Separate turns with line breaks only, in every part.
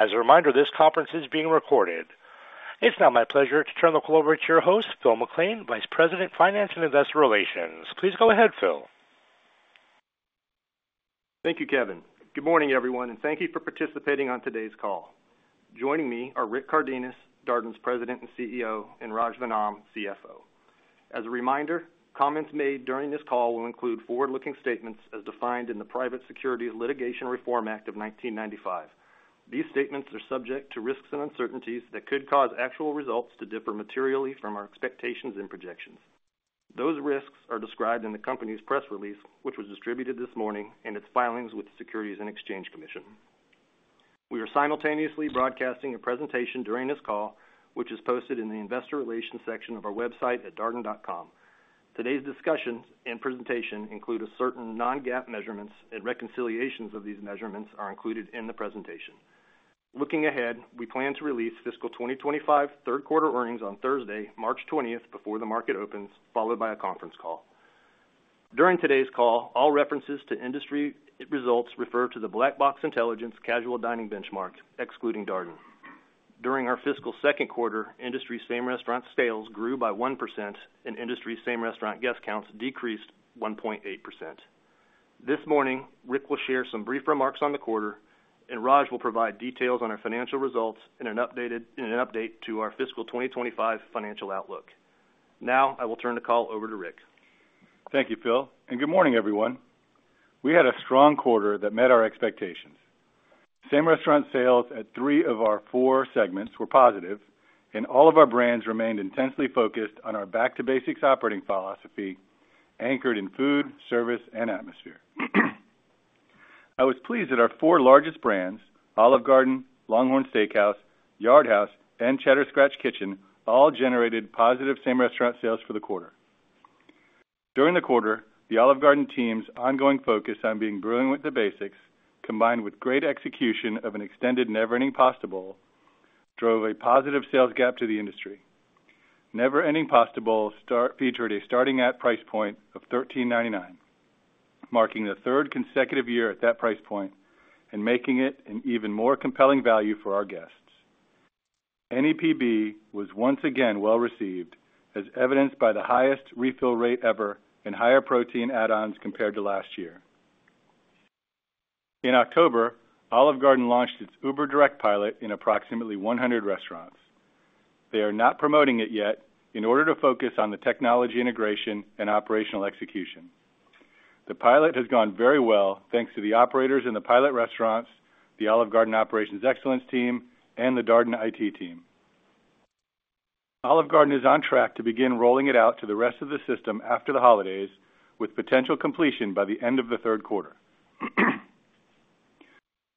As a reminder, this conference is being recorded. It's now my pleasure to turn the call over to your host, Phil McClain, Vice President, Finance and Investor Relations. Please go ahead, Phil.
Thank you, Kevin. Good morning, everyone, and thank you for participating on today's call. Joining me are Rick Cardenas, Darden's President and CEO, and Raj Vennam, CFO. As a reminder, comments made during this call will include forward-looking statements as defined in the Private Securities Litigation Reform Act of 1995. These statements are subject to risks and uncertainties that could cause actual results to differ materially from our expectations and projections. Those risks are described in the company's press release, which was distributed this morning, and its filings with the Securities and Exchange Commission. We are simultaneously broadcasting a presentation during this call, which is posted in the Investor Relations section of our website at darden.com. Today's discussions and presentation include certain non-GAAP measurements, and reconciliations of these measurements are included in the presentation. Looking ahead, we plan to release fiscal 2025 third-quarter earnings on Thursday, March 20th, before the market opens, followed by a conference call. During today's call, all references to industry results refer to the Black Box Intelligence casual dining benchmark, excluding Darden. During our fiscal second quarter, industry's same restaurant sales grew by 1%, and industry's same restaurant guest counts decreased 1.8%. This morning, Rick will share some brief remarks on the quarter, and Raj will provide details on our financial results and an update to our fiscal 2025 financial outlook. Now, I will turn the call over to Rick.
Thank you, Phil. And good morning, everyone. We had a strong quarter that met our expectations. Same restaurant sales at three of our four segments were positive, and all of our brands remained intensely focused on our back-to-basics operating philosophy anchored in food, service, and atmosphere. I was pleased that our four largest brands, Olive Garden, LongHorn Steakhouse, Yard House, and Cheddar's Scratch Kitchen, all generated positive same restaurant sales for the quarter. During the quarter, the Olive Garden team's ongoing focus on being brilliant with the basics, combined with great execution of an extended Never Ending Pasta Bowl, drove a positive sales gap to the industry. Never-ending pasta bowls featured a starting at price point of $13.99, marking the third consecutive year at that price point and making it an even more compelling value for our guests. NEPB was once again well received, as evidenced by the highest refill rate ever and higher protein add-ons compared to last year. In October, Olive Garden launched its Uber Direct pilot in approximately 100 restaurants. They are not promoting it yet in order to focus on the technology integration and operational execution. The pilot has gone very well thanks to the operators in the pilot restaurants, the Olive Garden Operations Excellence team, and the Darden IT team. Olive Garden is on track to begin rolling it out to the rest of the system after the holidays, with potential completion by the end of the third quarter.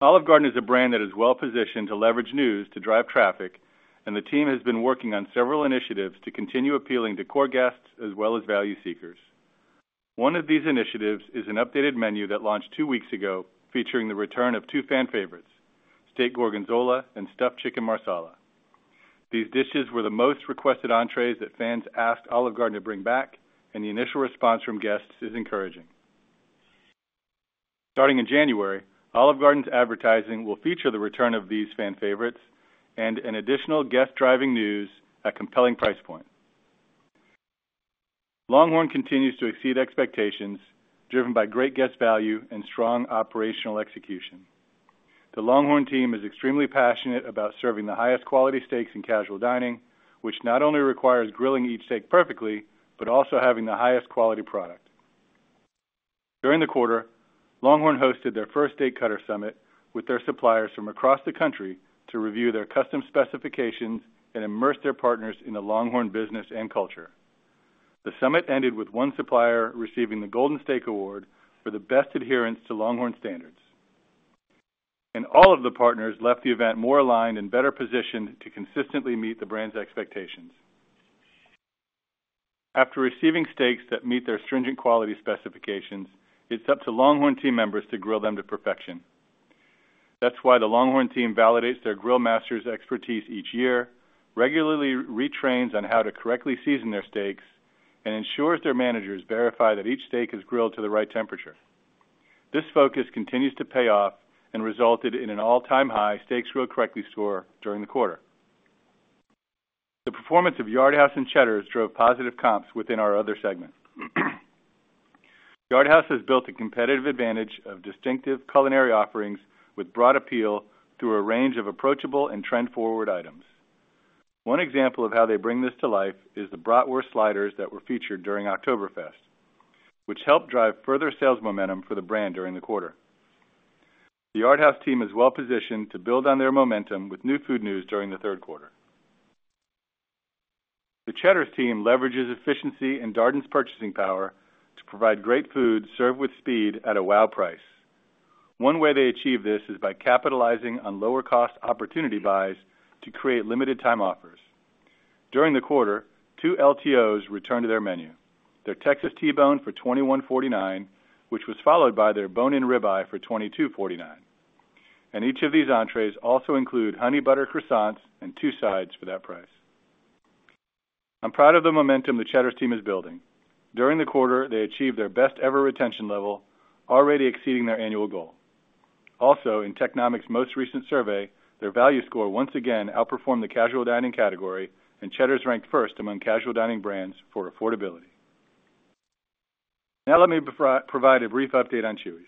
Olive Garden is a brand that is well positioned to leverage news to drive traffic, and the team has been working on several initiatives to continue appealing to core guests as well as value seekers. One of these initiatives is an updated menu that launched two weeks ago, featuring the return of two fan favorites, Steak Gorgonzola and Stuffed Chicken Marsala. These dishes were the most requested entrees that fans asked Olive Garden to bring back, and the initial response from guests is encouraging. Starting in January, Olive Garden's advertising will feature the return of these fan favorites and an additional guest driving news at compelling price point. LongHorn continues to exceed expectations, driven by great guest value and strong operational execution. The LongHorn team is extremely passionate about serving the highest quality steaks in casual dining, which not only requires grilling each steak perfectly but also having the highest quality product. During the quarter, LongHorn hosted their first Steak Cutter Summit with their suppliers from across the country to review their custom specifications and immerse their partners in the LongHorn business and culture. The summit ended with one supplier receiving the Golden Steak Award for the best adherence to LongHorn standards. And all of the partners left the event more aligned and better positioned to consistently meet the brand's expectations. After receiving steaks that meet their stringent quality specifications, it's up to LongHorn team members to grill them to perfection. That's why the LongHorn team validates their Grill Master's expertise each year, regularly retrains on how to correctly season their steaks, and ensures their managers verify that each steak is grilled to the right temperature. This focus continues to pay off and resulted in an all-time high steaks grilled correctly score during the quarter. The performance of Yard House and Cheddar's drove positive comps within our other segment. Yard House has built a competitive advantage of distinctive culinary offerings with broad appeal through a range of approachable and trend-forward items. One example of how they bring this to life is the Bratwurst Sliders that were featured during Oktoberfest, which helped drive further sales momentum for the brand during the quarter. The Yard House team is well positioned to build on their momentum with new food news during the third quarter. The Cheddar's team leverages efficiency and Darden's purchasing power to provide great food served with speed at a wow price. One way they achieve this is by capitalizing on lower-cost opportunity buys to create limited-time offers. During the quarter, two LTOs returned to their menu: their Texas T-Bone for $21.49, which was followed by their Bone-In Ribeye for $22.49, and each of these entrees also includes Honey Butter Croissants and two sides for that price. I'm proud of the momentum the Cheddar's team is building. During the quarter, they achieved their best-ever retention level, already exceeding their annual goal. Also, in Technomic's most recent survey, their value score once again outperformed the casual dining category, and Cheddar's ranked first among casual dining brands for affordability. Now, let me provide a brief update on Chuy's.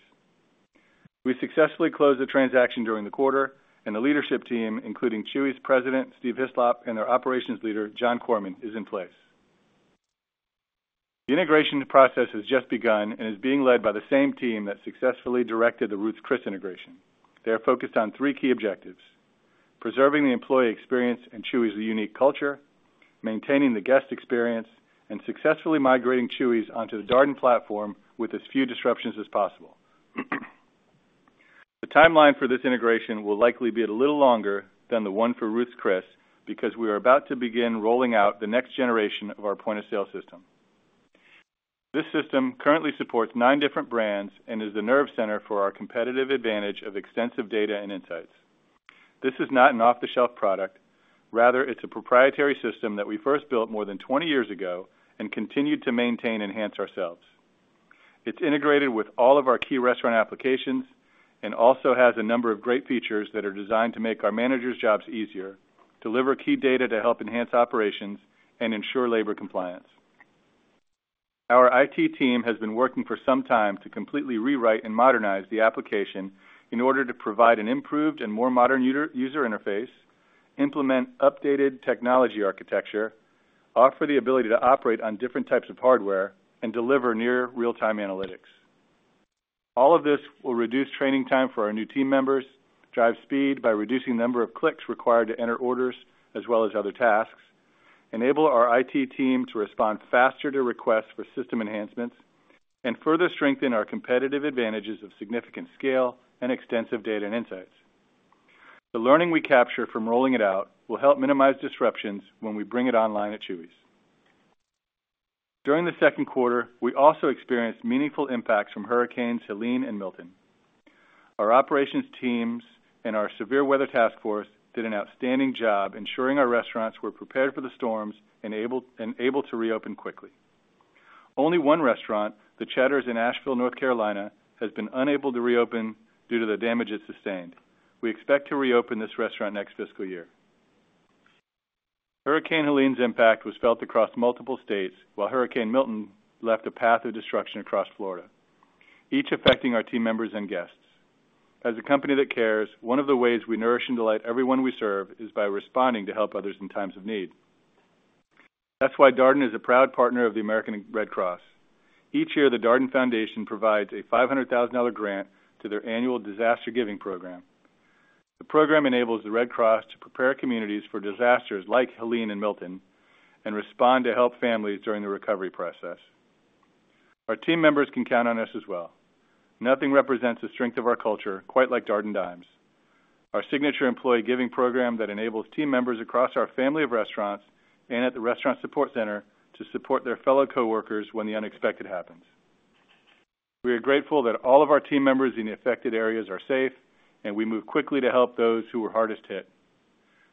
We successfully closed the transaction during the quarter, and the leadership team, including Chuy's President, Steve Hislop, and their operations leader, John Coleman, is in place. The integration process has just begun and is being led by the same team that successfully directed the Ruth's Chris integration. They are focused on three key objectives: preserving the employee experience in Chuy's unique culture, maintaining the guest experience, and successfully migrating Chuy's onto the Darden platform with as few disruptions as possible. The timeline for this integration will likely be a little longer than the one for Ruth's Chris because we are about to begin rolling out the next generation of our point-of-sale system. This system currently supports nine different brands and is the nerve center for our competitive advantage of extensive data and insights. This is not an off-the-shelf product. Rather, it's a proprietary system that we first built more than 20 years ago and continued to maintain and enhance ourselves. It's integrated with all of our key restaurant applications and also has a number of great features that are designed to make our managers' jobs easier, deliver key data to help enhance operations, and ensure labor compliance. Our IT team has been working for some time to completely rewrite and modernize the application in order to provide an improved and more modern user interface, implement updated technology architecture, offer the ability to operate on different types of hardware, and deliver near real-time analytics. All of this will reduce training time for our new team members, drive speed by reducing the number of clicks required to enter orders as well as other tasks, enable our IT team to respond faster to requests for system enhancements, and further strengthen our competitive advantages of significant scale and extensive data and insights. The learning we capture from rolling it out will help minimize disruptions when we bring it online at Chuy's. During the second quarter, we also experienced meaningful impacts from Hurricanes Helene and Milton. Our operations teams and our Severe Weather Task Force did an outstanding job ensuring our restaurants were prepared for the storms and able to reopen quickly. Only one restaurant, the Cheddar's in Asheville, North Carolina, has been unable to reopen due to the damage it sustained. We expect to reopen this restaurant next fiscal year. Hurricane Helene's impact was felt across multiple states, while Hurricane Milton left a path of destruction across Florida, each affecting our team members and guests. As a company that cares, one of the ways we nourish and delight everyone we serve is by responding to help others in times of need. That's why Darden is a proud partner of the American Red Cross. Each year, the Darden Foundation provides a $500,000 grant to their Annual Disaster Giving Program. The program enables the Red Cross to prepare communities for disasters like Helene and Milton and respond to help families during the recovery process. Our team members can count on us as well. Nothing represents the strength of our culture, quite like Darden Dimes, our signature employee giving program that enables team members across our family of restaurants and at the Restaurant Support Center to support their fellow coworkers when the unexpected happens. We are grateful that all of our team members in the affected areas are safe, and we move quickly to help those who were hardest hit.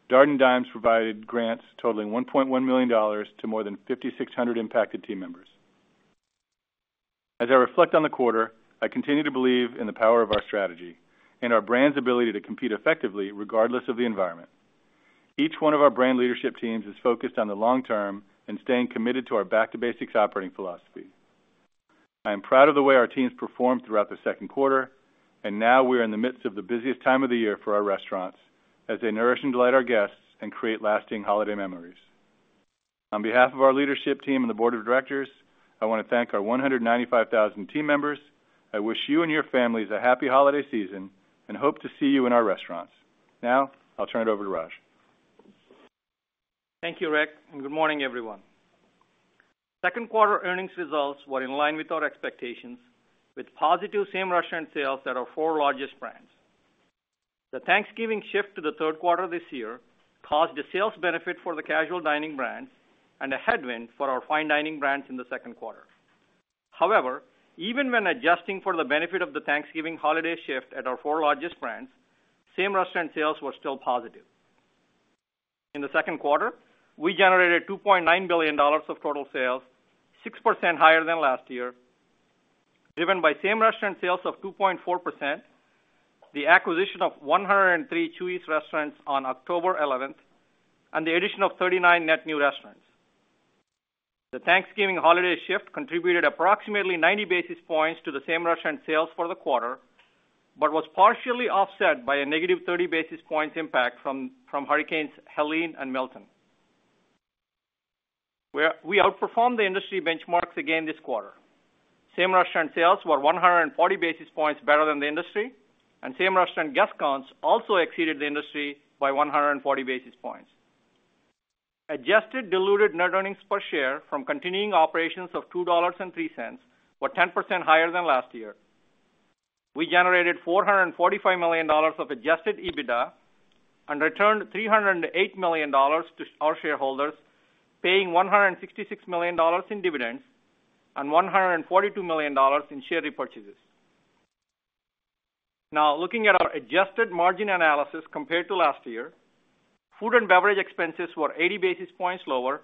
Darden Dimes provided grants totaling $1.1 million to more than 5,600 impacted team members. As I reflect on the quarter, I continue to believe in the power of our strategy and our brand's ability to compete effectively regardless of the environment. Each one of our brand leadership teams is focused on the long term and staying committed to our back-to-basics operating philosophy. I am proud of the way our teams performed throughout the second quarter, and now we are in the midst of the busiest time of the year for our restaurants as they nourish and delight our guests and create lasting holiday memories. On behalf of our leadership team and the board of directors, I want to thank our 195,000 team members. I wish you and your families a happy holiday season and hope to see you in our restaurants. Now, I'll turn it over to Raj.
Thank you, Rick, and good morning, everyone. Second quarter earnings results were in line with our expectations, with positive same restaurant sales at our four largest brands. The Thanksgiving shift to the third quarter this year caused a sales benefit for the casual dining brands and a headwind for our fine dining brands in the second quarter. However, even when adjusting for the benefit of the Thanksgiving holiday shift at our four largest brands, same restaurant sales were still positive. In the second quarter, we generated $2.9 billion of total sales, 6% higher than last year, driven by same restaurant sales of 2.4%, the acquisition of 103 Chuy's restaurants on October 11th, and the addition of 39 net new restaurants. The Thanksgiving holiday shift contributed approximately 90 basis points to the same restaurant sales for the quarter but was partially offset by a negative 30 basis points impact from Hurricanes Helene and Milton. We outperformed the industry benchmarks again this quarter. Same restaurant sales were 140 basis points better than the industry, and same restaurant guest counts also exceeded the industry by 140 basis points. Adjusted diluted net earnings per share from continuing operations of $2.03 were 10% higher than last year. We generated $445 million of adjusted EBITDA and returned $308 million to our shareholders, paying $166 million in dividends and $142 million in share repurchases. Now, looking at our adjusted margin analysis compared to last year, food and beverage expenses were 80 basis points lower,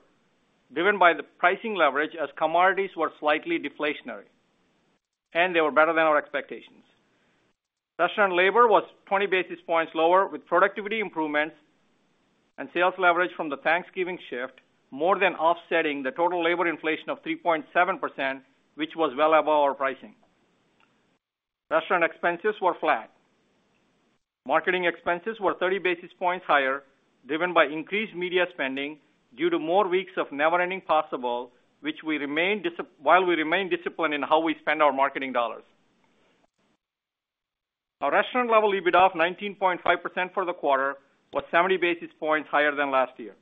driven by the pricing leverage as commodities were slightly deflationary, and they were better than our expectations. Restaurant labor was 20 basis points lower with productivity improvements and sales leverage from the Thanksgiving shift, more than offsetting the total labor inflation of 3.7%, which was well above our pricing. Restaurant expenses were flat. Marketing expenses were 30 basis points higher, driven by increased media spending due to more weeks of Never Ending Pasta Bowl while we remain disciplined in how we spend our marketing dollars. Our restaurant-level EBITDA of 19.5% for the quarter was 70 basis points higher than last year.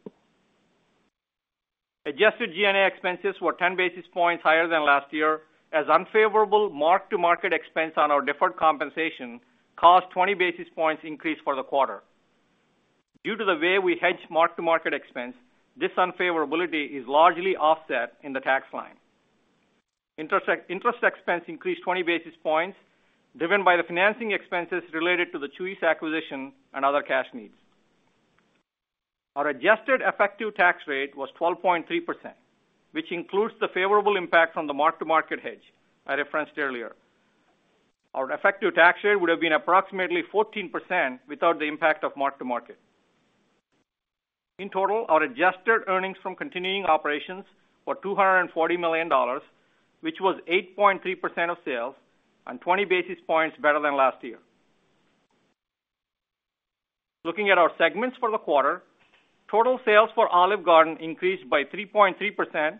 Adjusted G&A expenses were 10 basis points higher than last year as unfavorable mark-to-market expense on our deferred compensation caused 20 basis points increase for the quarter. Due to the way we hedge mark-to-market expense, this unfavorability is largely offset in the tax line. Interest expense increased 20 basis points, driven by the financing expenses related to the Chuy's acquisition and other cash needs. Our adjusted effective tax rate was 12.3%, which includes the favorable impact from the mark-to-market hedge I referenced earlier. Our effective tax rate would have been approximately 14% without the impact of mark-to-market. In total, our adjusted earnings from continuing operations were $240 million, which was 8.3% of sales, and 20 basis points better than last year. Looking at our segments for the quarter, total sales for Olive Garden increased by 3.3%,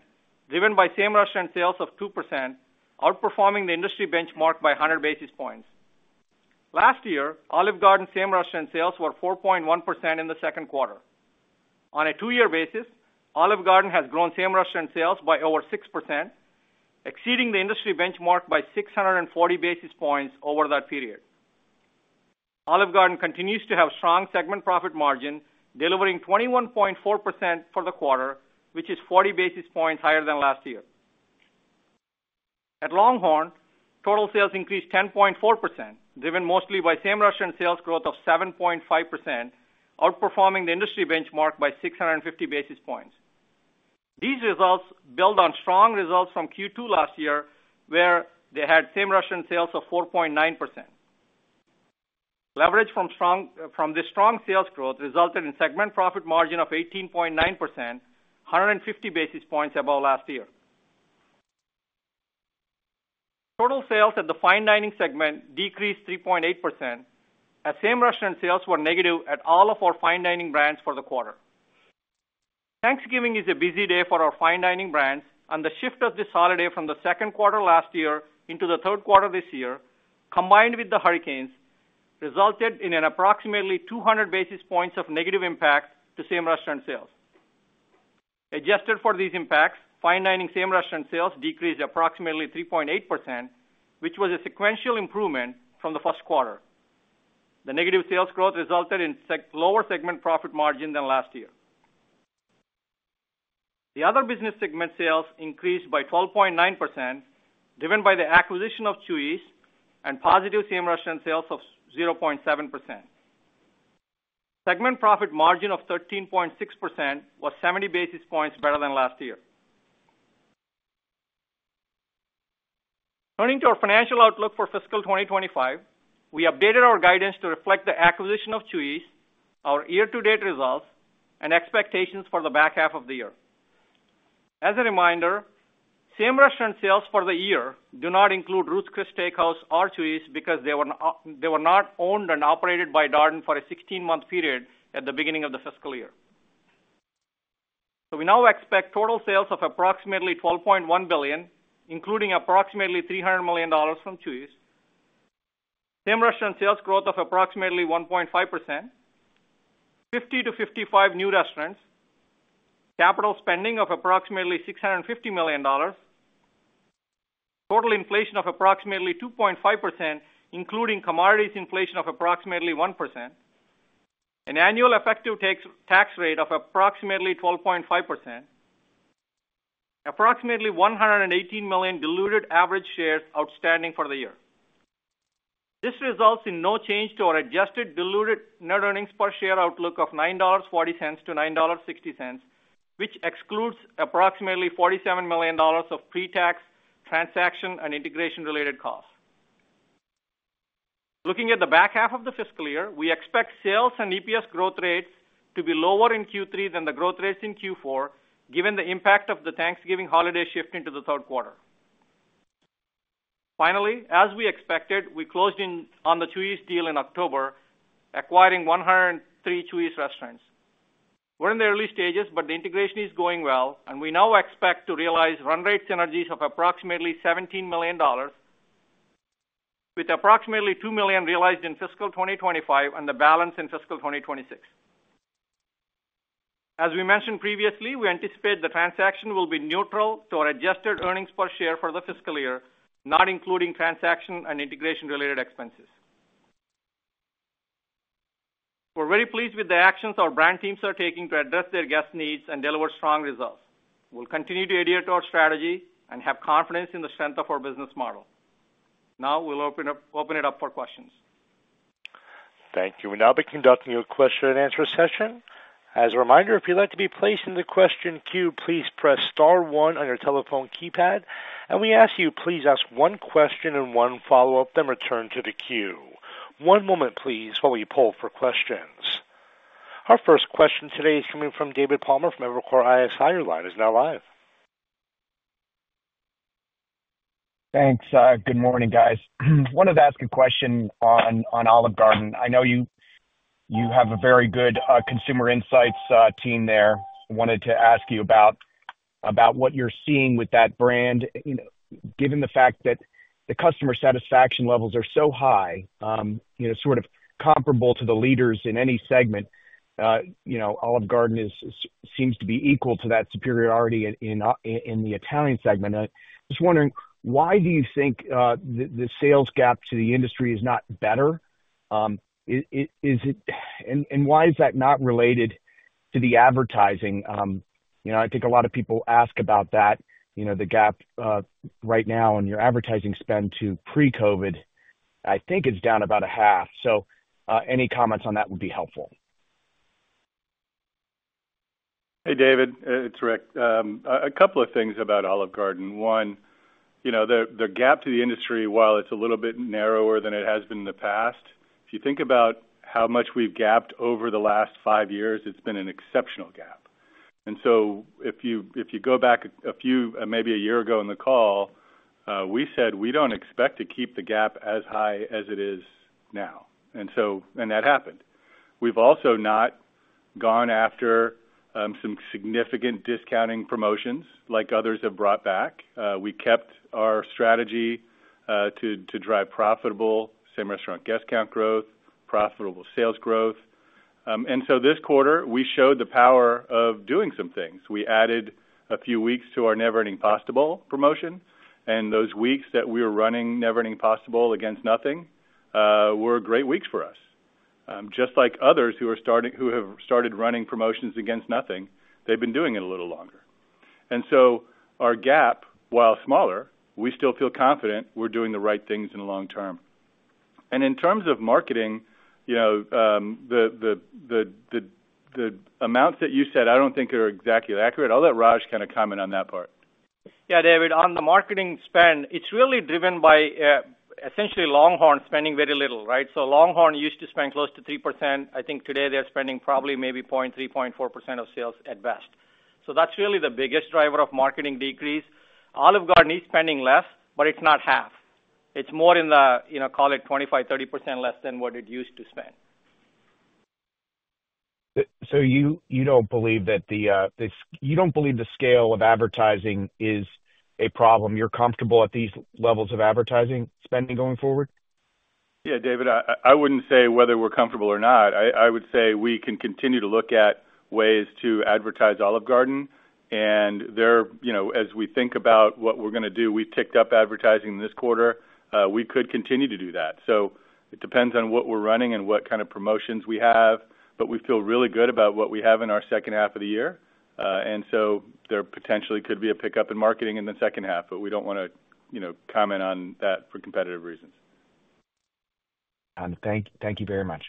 driven by same restaurant sales of 2%, outperforming the industry benchmark by 100 basis points. Last year, Olive Garden's same restaurant sales were 4.1% in the second quarter. On a two-year basis, Olive Garden has grown same restaurant sales by over 6%, exceeding the industry benchmark by 640 basis points over that period. Olive Garden continues to have strong segment profit margin, delivering 21.4% for the quarter, which is 40 basis points higher than last year. At LongHorn, total sales increased 10.4%, driven mostly by same restaurant sales growth of 7.5%, outperforming the industry benchmark by 650 basis points. These results build on strong results from Q2 last year, where they had same restaurant sales of 4.9%. Leverage from this strong sales growth resulted in segment profit margin of 18.9%, 150 basis points above last year. Total sales at the fine dining segment decreased 3.8%, as same restaurant sales were negative at all of our fine dining brands for the quarter. Thanksgiving is a busy day for our fine dining brands, and the shift of this holiday from the second quarter last year into the third quarter this year, combined with the hurricanes, resulted in an approximately 200 basis points of negative impact to same restaurant sales. Adjusted for these impacts, fine dining same restaurant sales decreased approximately 3.8%, which was a sequential improvement from the first quarter. The negative sales growth resulted in lower segment profit margin than last year. The other business segment sales increased by 12.9%, driven by the acquisition of Chuy's and positive same restaurant sales of 0.7%. Segment profit margin of 13.6% was 70 basis points better than last year. Turning to our financial outlook for fiscal 2025, we updated our guidance to reflect the acquisition of Chuy's, our year-to-date results, and expectations for the back half of the year. As a reminder, same restaurant sales for the year do not include Ruth's Chris Steak House or Chuy's because they were not owned and operated by Darden for a 16-month period at the beginning of the fiscal year. So we now expect total sales of approximately $12.1 billion, including approximately $300 million from Chuy's, same restaurant sales growth of approximately 1.5%, 50-55 new restaurants, capital spending of approximately $650 million, total inflation of approximately 2.5%, including commodities inflation of approximately 1%, an annual effective tax rate of approximately 12.5%, approximately 118 million diluted average shares outstanding for the year. This results in no change to our adjusted diluted net earnings per share outlook of $9.40-$9.60, which excludes approximately $47 million of pre-tax transaction and integration-related costs. Looking at the back half of the fiscal year, we expect sales and EPS growth rates to be lower in Q3 than the growth rates in Q4, given the impact of the Thanksgiving holiday shift into the third quarter. Finally, as we expected, we closed on the Chuy's deal in October, acquiring 103 Chuy's restaurants. We're in the early stages, but the integration is going well, and we now expect to realize run rate synergies of approximately $17 million, with approximately $2 million realized in fiscal 2025 and the balance in fiscal 2026. As we mentioned previously, we anticipate the transaction will be neutral to our adjusted earnings per share for the fiscal year, not including transaction and integration-related expenses. We're very pleased with the actions our brand teams are taking to address their guest needs and deliver strong results. We'll continue to ideate our strategy and have confidence in the strength of our business model. Now, we'll open it up for questions.
Thank you. We'll now be conducting a question and answer session. As a reminder, if you'd like to be placed in the question queue, please press star one on your telephone keypad. And we ask you, please ask one question and one follow-up, then return to the queue. One moment, please, while we pull for questions. Our first question today is coming from David Palmer from Evercore ISI. Your line is now live.
Thanks. Good morning, guys. Wanted to ask a question on Olive Garden. I know you have a very good consumer insights team there. Wanted to ask you about what you're seeing with that brand, given the fact that the customer satisfaction levels are so high, sort of comparable to the leaders in any segment. Olive Garden seems to be equal to that superiority in the Italian segment. Just wondering, why do you think the sales gap to the industry is not better? And why is that not related to the advertising? I think a lot of people ask about that, the gap right now in your advertising spend to pre-COVID. I think it's down about a half. So any comments on that would be helpful.
Hey, David. It's Rick. A couple of things about Olive Garden. One, the gap to the industry, while it's a little bit narrower than it has been in the past, if you think about how much we've gapped over the last five years, it's been an exceptional gap. And so if you go back a few, maybe a year ago in the call, we said we don't expect to keep the gap as high as it is now. And that happened. We've also not gone after some significant discounting promotions like others have brought back. We kept our strategy to drive profitable same restaurant guest count growth, profitable sales growth. And so this quarter, we showed the power of doing some things. We added a few weeks to our Never Ending Pasta Bowl promotion. And those weeks that we were running Never Ending Pasta Bowl against nothing were great weeks for us. Just like others who have started running promotions against nothing, they've been doing it a little longer. And so our gap, while smaller, we still feel confident we're doing the right things in the long term. And in terms of marketing, the amounts that you said, I don't think are exactly accurate. I'll let Raj kind of comment on that part.
Yeah, David. On the marketing spend, it's really driven by essentially LongHorn spending very little, right? So LongHorn used to spend close to 3%. I think today they're spending probably maybe 0.3-0.4% of sales at best. So that's really the biggest driver of marketing decrease. Olive Garden is spending less, but it's not half. It's more in the, call it 25-30% less than what it used to spend.
So you don't believe that the scale of advertising is a problem. You're comfortable at these levels of advertising spending going forward?
Yeah, David. I wouldn't say whether we're comfortable or not. I would say we can continue to look at ways to advertise Olive Garden. And as we think about what we're going to do, we've ticked up advertising this quarter. We could continue to do that. So it depends on what we're running and what kind of promotions we have. But we feel really good about what we have in our second half of the year. And so there potentially could be a pickup in marketing in the second half, but we don't want to comment on that for competitive reasons.
Thank you very much.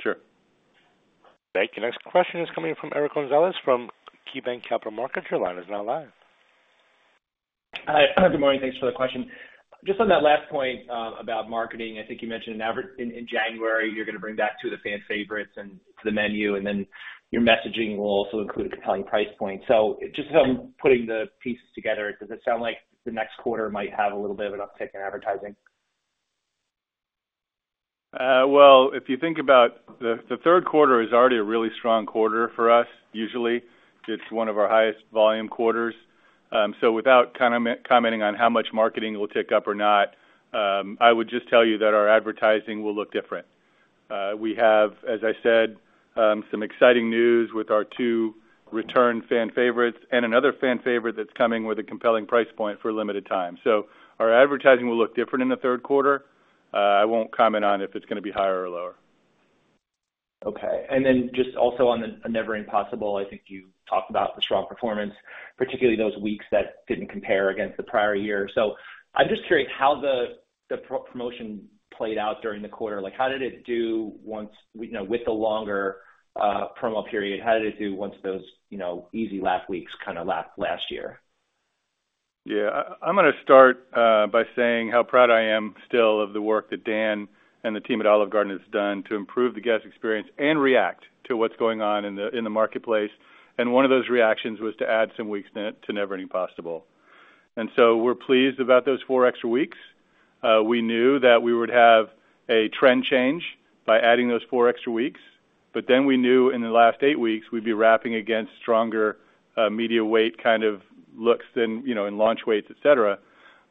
Sure.
Thank you. Next question is coming from Eric Gonzalez from KeyBanc Capital Markets. Your line is now live.
Hi, good morning. Thanks for the question. Just on that last point about marketing, I think you mentioned in January, you're going to bring back two of the fan favorites to the menu, and then your messaging will also include a compelling price point. So just putting the pieces together, does it sound like the next quarter might have a little bit of an uptick in advertising?
If you think about the third quarter is already a really strong quarter for us, usually. It's one of our highest volume quarters. Without kind of commenting on how much marketing will tick up or not, I would just tell you that our advertising will look different. We have, as I said, some exciting news with our two returned fan favorites and another fan favorite that's coming with a compelling price point for a limited time. Our advertising will look different in the third quarter. I won't comment on if it's going to be higher or lower.
Okay. And then just also on the Never Ending Pasta Bowl, I think you talked about the strong performance, particularly those weeks that didn't compare against the prior year. So I'm just curious how the promotion played out during the quarter. How did it do with the longer promo period? How did it do once those easy last weeks kind of left last year?
Yeah. I'm going to start by saying how proud I am still of the work that Dan and the team at Olive Garden has done to improve the guest experience and react to what's going on in the marketplace, and one of those reactions was to add some weeks to Never Ending Pasta Bowl, and so we're pleased about those four extra weeks. We knew that we would have a trend change by adding those four extra weeks, but then we knew in the last eight weeks, we'd be lapping against stronger media weight kind of looks and launch weights, etc.,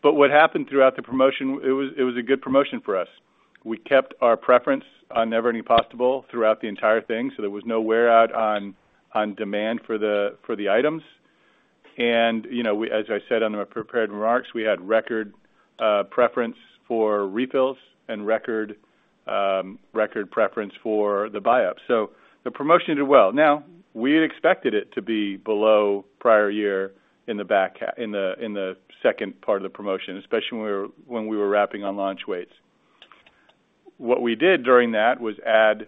but what happened throughout the promotion, it was a good promotion for us. We kept our preference on Never Ending Pasta Bowl throughout the entire thing, so there was no wear out on demand for the items. As I said on the prepared remarks, we had record preference for refills and record preference for the buy-up. So the promotion did well. Now, we expected it to be below prior year in the second part of the promotion, especially when we were wrapping on launch weights. What we did during that was add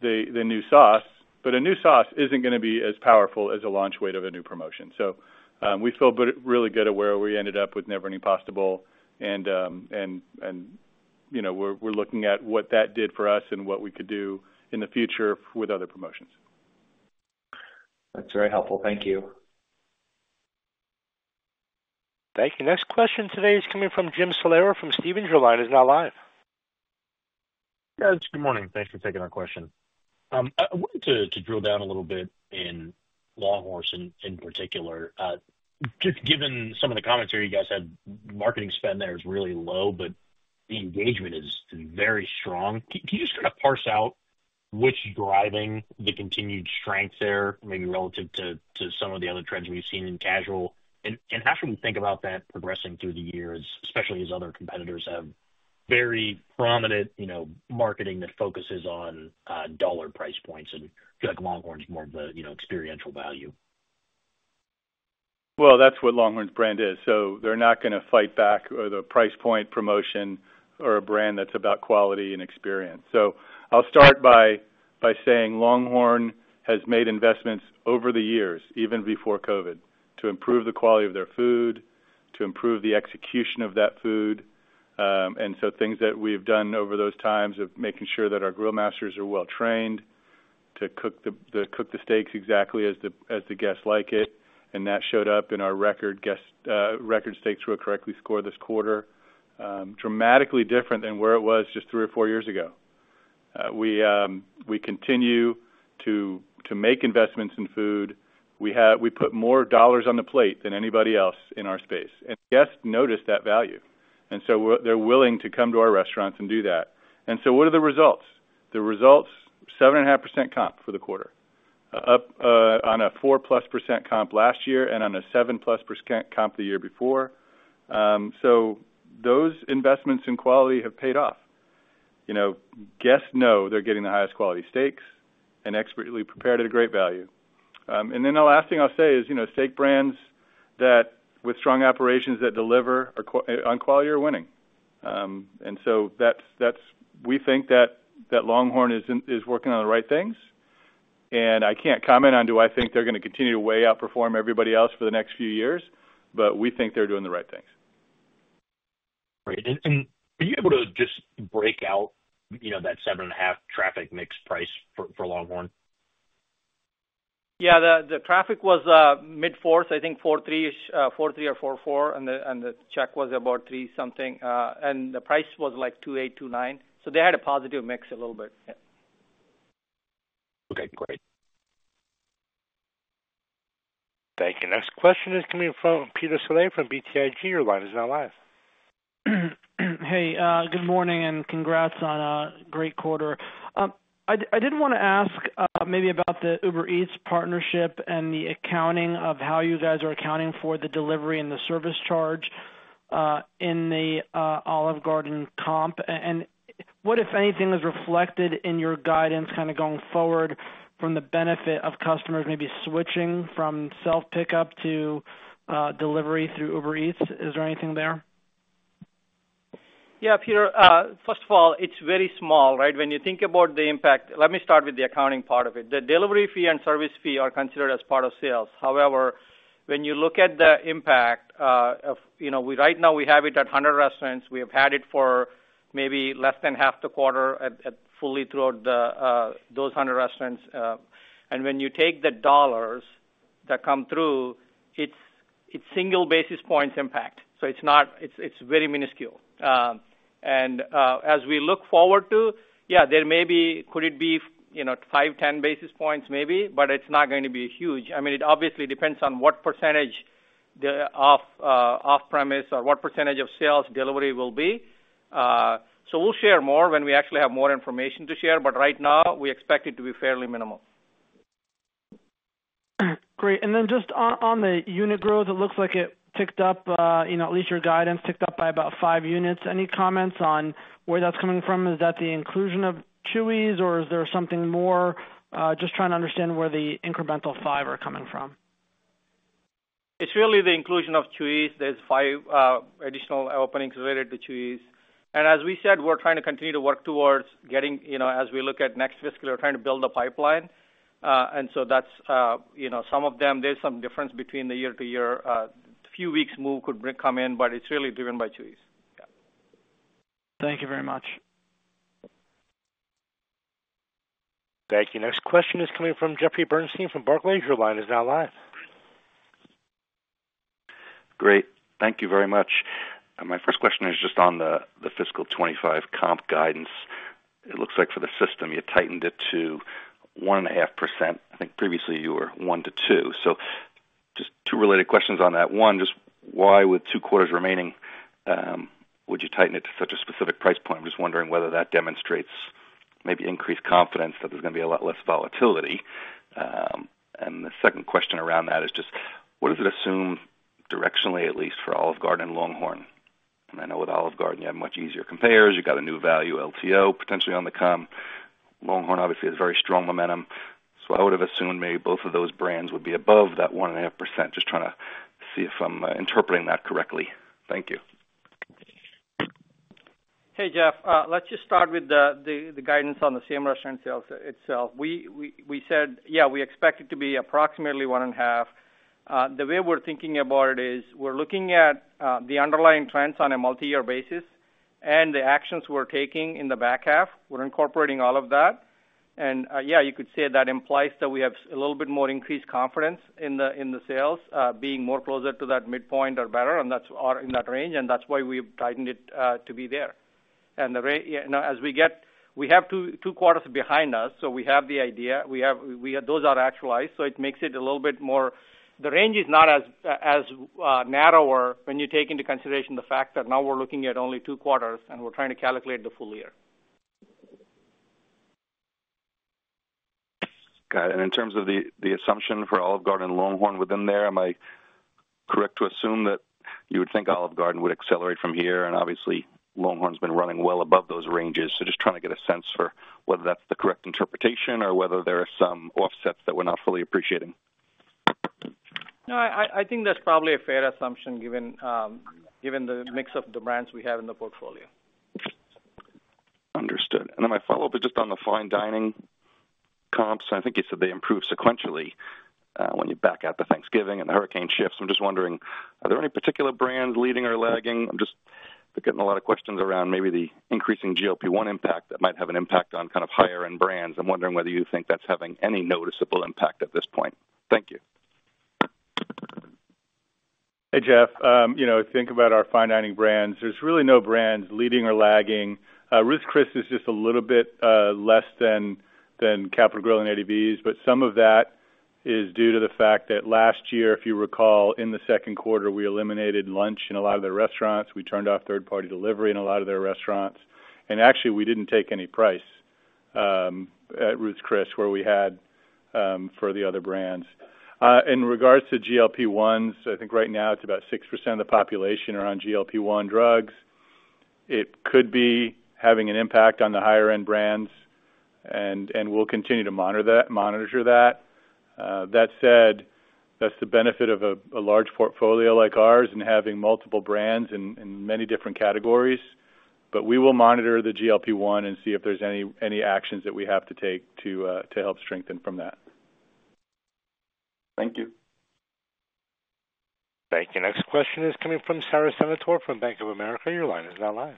the new sauce. But a new sauce isn't going to be as powerful as a launch weight of a new promotion. So we feel really good at where we ended up with Never Ending Pasta Bowl. And we're looking at what that did for us and what we could do in the future with other promotions.
That's very helpful. Thank you.
Thank you. Next question today is coming from Jim Salera from Stephens. Your line is now live.
Yeah. It's good morning. Thanks for taking our question. I wanted to drill down a little bit into LongHorn in particular. Just given some of the comments here, you guys had marketing spend there is really low, but the engagement is very strong. Can you just kind of parse out which is driving the continued strength there, maybe relative to some of the other trends we've seen in casual? And how should we think about that progressing through the years, especially as other competitors have very prominent marketing that focuses on dollar price points? And I feel like LongHorn is more of the experiential value.
That's what LongHorn's brand is. They're not going to fight back with a price point promotion or a brand that's about quality and experience. I'll start by saying LongHorn has made investments over the years, even before COVID, to improve the quality of their food, to improve the execution of that food. So things that we've done over those times of making sure that our grill masters are well trained to cook the steaks exactly as the guests like it. That showed up in our record. Guest record steaks were correctly scored this quarter, dramatically different than where it was just three or four years ago. We continue to make investments in food. We put more dollars on the plate than anybody else in our space. Guests notice that value. So they're willing to come to our restaurants and do that. And so what are the results? The results, 7.5% comp for the quarter, up on a 4-plus% comp last year and on a 7-plus% comp the year before. So those investments in quality have paid off. Guests know they're getting the highest quality steaks and expertly prepared at a great value. And then the last thing I'll say is steak brands that with strong operations that deliver on quality are winning. And so we think that LongHorn is working on the right things. And I can't comment on do I think they're going to continue to way outperform everybody else for the next few years, but we think they're doing the right things.
Great. And are you able to just break out that 7.5 traffic mix price for LongHorn?
Yeah. The traffic was mid-4%, I think 4.3% or 4.4%. And the check was about 3-something. And the price was like 2.8%, 2.9%. So they had a positive mix a little bit.
Okay. Great.
Thank you. Next question is coming from Peter Saleh from BTIG. Your line is now live.
Hey, good morning and congrats on a great quarter. I did want to ask maybe about the Uber Eats partnership and the accounting of how you guys are accounting for the delivery and the service charge in the Olive Garden comp, and what, if anything, is reflected in your guidance kind of going forward from the benefit of customers maybe switching from self-pickup to delivery through Uber Eats? Is there anything there?
Yeah, Peter. First of all, it's very small, right? When you think about the impact, let me start with the accounting part of it. The delivery fee and service fee are considered as part of sales. However, when you look at the impact, right now we have it at 100 restaurants. We have had it for maybe less than half the quarter fully throughout those 100 restaurants. And when you take the dollars that come through, it's single basis points impact. So it's very minuscule. And as we look forward to, yeah, there may be, could it be 5, 10 basis points maybe, but it's not going to be huge. I mean, it obviously depends on what percentage of off-premise or what percentage of sales delivery will be. So we'll share more when we actually have more information to share. But right now, we expect it to be fairly minimal.
Great. And then just on the unit growth, it looks like it ticked up, at least your guidance ticked up by about five units. Any comments on where that's coming from? Is that the inclusion of Chuy's, or is there something more? Just trying to understand where the incremental five are coming from.
It's really the inclusion of Chuy's. There's five additional openings related to Chuy's, and as we said, we're trying to continue to work towards getting, as we look at next fiscal, we're trying to build a pipeline, and so that's some of them. There's some difference between the year-to-year. A few weeks' move could come in, but it's really driven by Chuy's. Yeah.
Thank you very much.
Thank you. Next question is coming from Jeffrey Bernstein from Barclays. Your line is now live.
Great. Thank you very much. My first question is just on the Fiscal 2025 comp guidance. It looks like for the system, you tightened it to 1.5%. I think previously you were 1%-2%. So just two related questions on that. One, just why with two quarters remaining, would you tighten it to such a specific price point? I'm just wondering whether that demonstrates maybe increased confidence that there's going to be a lot less volatility. And the second question around that is just what does it assume directionally, at least for Olive Garden and Longhorn? And I know with Olive Garden, you have much easier compares. You've got a new value LTO potentially on the come. Longhorn obviously has very strong momentum. So I would have assumed maybe both of those brands would be above that 1.5%, just trying to see if I'm interpreting that correctly. Thank you.
Hey, Jeff. Let's just start with the guidance on the same restaurant sales itself. We said, yeah, we expect it to be approximately 1.5%. The way we're thinking about it is we're looking at the underlying trends on a multi-year basis and the actions we're taking in the back half. We're incorporating all of that. And yeah, you could say that implies that we have a little bit more increased confidence in the sales being more closer to that midpoint or better, and that's in that range. And that's why we've tightened it to be there. And as we get, we have two quarters behind us. So we have the idea. Those are actualized. It makes it a little bit more. The range is not as narrower when you take into consideration the fact that now we're looking at only two quarters and we're trying to calculate the full year.
Got it. And in terms of the assumption for Olive Garden and LongHorn within there, am I correct to assume that you would think Olive Garden would accelerate from here? And obviously, LongHorn's been running well above those ranges. So just trying to get a sense for whether that's the correct interpretation or whether there are some offsets that we're not fully appreciating.
No, I think that's probably a fair assumption given the mix of the brands we have in the portfolio.
Understood. And then my follow-up is just on the fine dining comps. I think you said they improve sequentially when you back out to Thanksgiving and the hurricane shifts. I'm just wondering, are there any particular brands leading or lagging? I'm just getting a lot of questions around maybe the increasing GLP-1 impact that might have an impact on kind of higher-end brands. I'm wondering whether you think that's having any noticeable impact at this point. Thank you.
Hey, Jeff. Think about our fine dining brands. There's really no brands leading or lagging. Ruth's Chris is just a little bit less than Capital Grille and Eddie V's, but some of that is due to the fact that last year, if you recall, in the second quarter, we eliminated lunch in a lot of their restaurants. We turned off third-party delivery in a lot of their restaurants. And actually, we didn't take any price at Ruth's Chris where we had for the other brands. In regards to GLP-1s, I think right now it's about 6% of the population are on GLP-1 drugs. It could be having an impact on the higher-end brands, and we'll continue to monitor that. That said, that's the benefit of a large portfolio like ours and having multiple brands in many different categories. But we will monitor the GLP-1 and see if there's any actions that we have to take to help strengthen from that.
Thank you.
Thank you. Next question is coming from Sara Senatore from Bank of America. Your line is now live.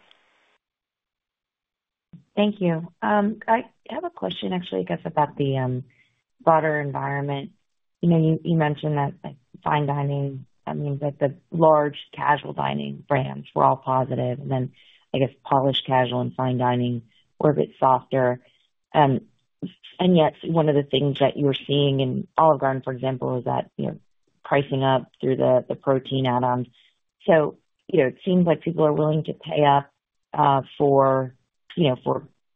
Thank you. I have a question, actually, I guess, about the broader environment. You mentioned that fine dining, that means that the large casual dining brands were all positive. And then I guess polished casual and fine dining were a bit softer. And yet, one of the things that you're seeing in Olive Garden, for example, is that pricing up through the protein add-ons. So it seems like people are willing to pay up for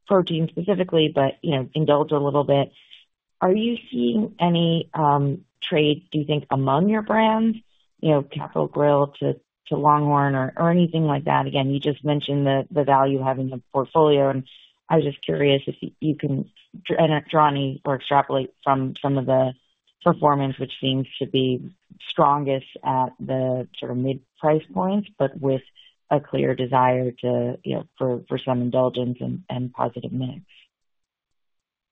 protein specifically, but indulge a little bit. Are you seeing any trade, do you think, among your brands, Capital Grille to LongHorn or anything like that? Again, you just mentioned the value having a portfolio. And I was just curious if you can draw any or extrapolate from some of the performance, which seems to be strongest at the sort of mid-price points, but with a clear desire for some indulgence and positive mix.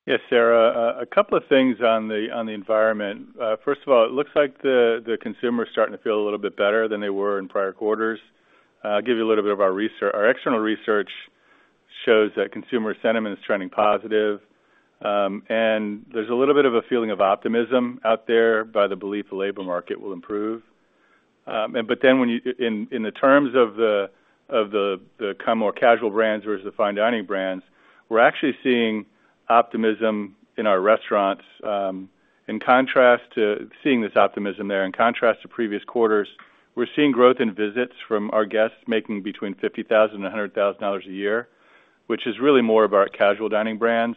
Yes, Sara. A couple of things on the environment. First of all, it looks like the consumer is starting to feel a little bit better than they were in prior quarters. I'll give you a little bit of our external research shows that consumer sentiment is trending positive, and there's a little bit of a feeling of optimism out there by the belief the labor market will improve. But then in the terms of the more casual brands versus the fine dining brands, we're actually seeing optimism in our restaurants. In contrast to seeing this optimism there in contrast to previous quarters, we're seeing growth in visits from our guests making between $50,000 and $100,000 a year, which is really more of our casual dining brands.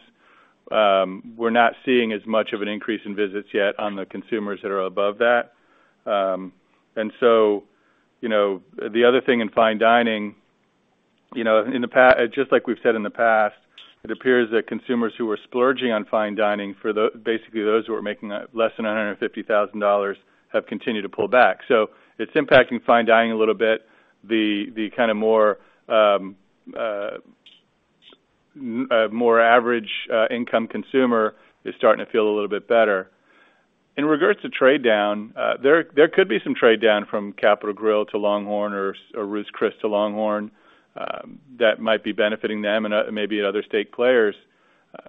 We're not seeing as much of an increase in visits yet on the consumers that are above that. And so the other thing in fine dining, just like we've said in the past, it appears that consumers who were splurging on fine dining, basically those who were making less than $150,000, have continued to pull back. So it's impacting fine dining a little bit. The kind of more average income consumer is starting to feel a little bit better. In regards to trade down, there could be some trade down from Capital Grille to LongHorn or Ruth's Chris to LongHorn that might be benefiting them and maybe other steak players.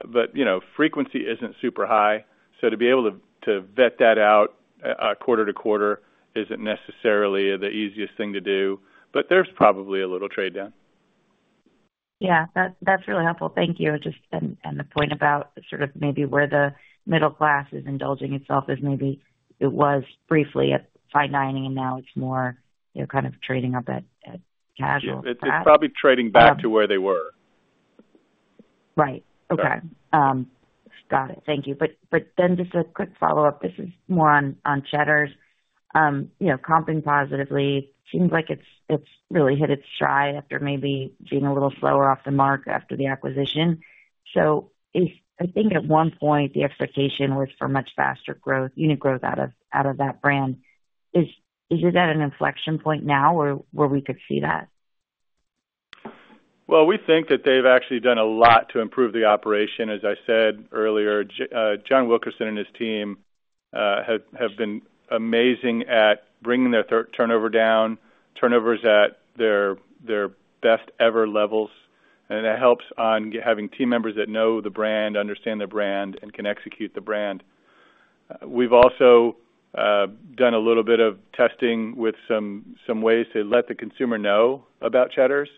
But frequency isn't super high. So to be able to vet that out quarter to quarter isn't necessarily the easiest thing to do. But there's probably a little trade down.
Yeah. That's really helpful. Thank you. And the point about sort of maybe where the middle class is indulging itself is maybe it was briefly at fine dining and now it's more kind of trading up at casual.
It's probably trading back to where they were.
Right. Okay. Got it. Thank you. But then just a quick follow-up. This is more on Cheddar's. Comping positively. Seems like it's really hit its stride after maybe being a little slower off the mark after the acquisition. So I think at one point the expectation was for much faster growth, unit growth out of that brand. Is it at an inflection point now where we could see that?
We think that they've actually done a lot to improve the operation. As I said earlier, John Wilkerson and his team have been amazing at bringing their turnover down, turnovers at their best ever levels. It helps on having team members that know the brand, understand the brand, and can execute the brand. We've also done a little bit of testing with some ways to let the consumer know about Cheddar's.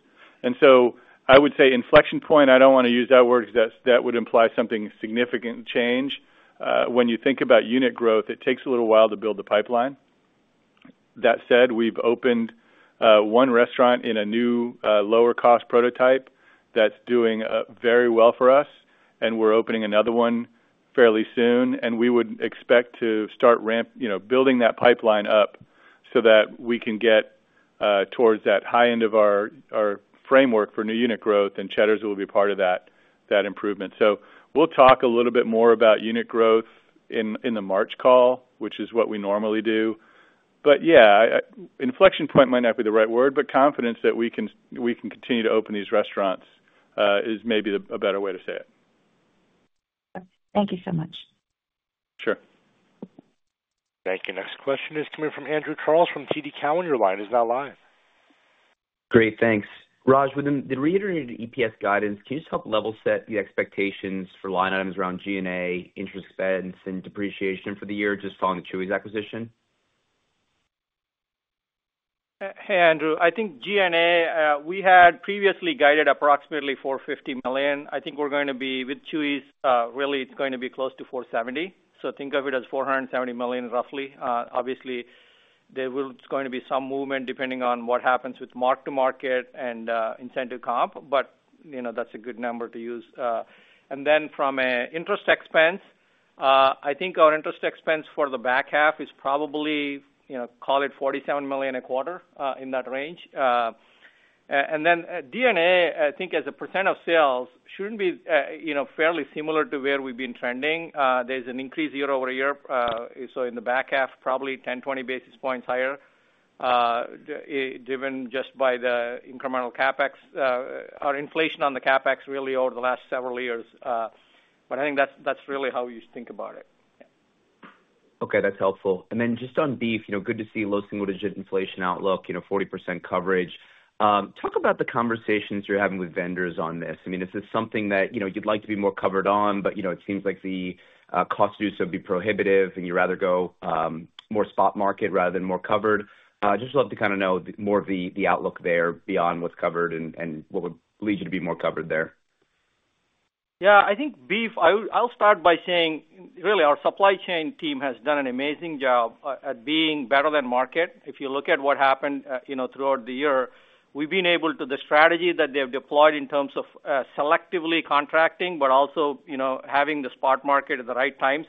So I would say inflection point, I don't want to use that word because that would imply something significant change. When you think about unit growth, it takes a little while to build the pipeline. That said, we've opened one restaurant in a new lower-cost prototype that's doing very well for us. We're opening another one fairly soon. And we would expect to start building that pipeline up so that we can get towards that high end of our framework for new unit growth. And Cheddar's will be part of that improvement. So we'll talk a little bit more about unit growth in the March call, which is what we normally do. But yeah, inflection point might not be the right word, but confidence that we can continue to open these restaurants is maybe a better way to say it.
Thank you so much.
Sure.
Thank you. Next question is coming from Andrew Charles from TD Cowen. He's now live.
Great. Thanks. Raj, within the reiterated EPS guidance, can you just help level set the expectations for line items around G&A, interest expense, and depreciation for the year just following the Chuy's acquisition?
Hey, Andrew. I think G&A, we had previously guided approximately $450 million. I think we're going to be with Chuy's, really it's going to be close to $470 million. So think of it as $470 million roughly. Obviously, there's going to be some movement depending on what happens with mark-to-market and incentive comp. But that's a good number to use. And then from an interest expense, I think our interest expense for the back half is probably, call it $47 million a quarter in that range. And then G&A, I think as a percent of sales shouldn't be fairly similar to where we've been trending. There's an increase year over year. So in the back half, probably 10-20 basis points higher driven just by the incremental CapEx or inflation on the CapEx really over the last several years. But I think that's really how you think about it.
Okay. That's helpful. And then just on beef, good to see low single-digit inflation outlook, 40% coverage. Talk about the conversations you're having with vendors on this. I mean, is this something that you'd like to be more covered on, but it seems like the cost of use would be prohibitive and you'd rather go more spot market rather than more covered? Just love to kind of know more of the outlook there beyond what's covered and what would lead you to be more covered there.
Yeah. I think beef. I'll start by saying really our supply chain team has done an amazing job at being better than market. If you look at what happened throughout the year, we've been able to the strategy that they've deployed in terms of selectively contracting, but also having the spot market at the right times.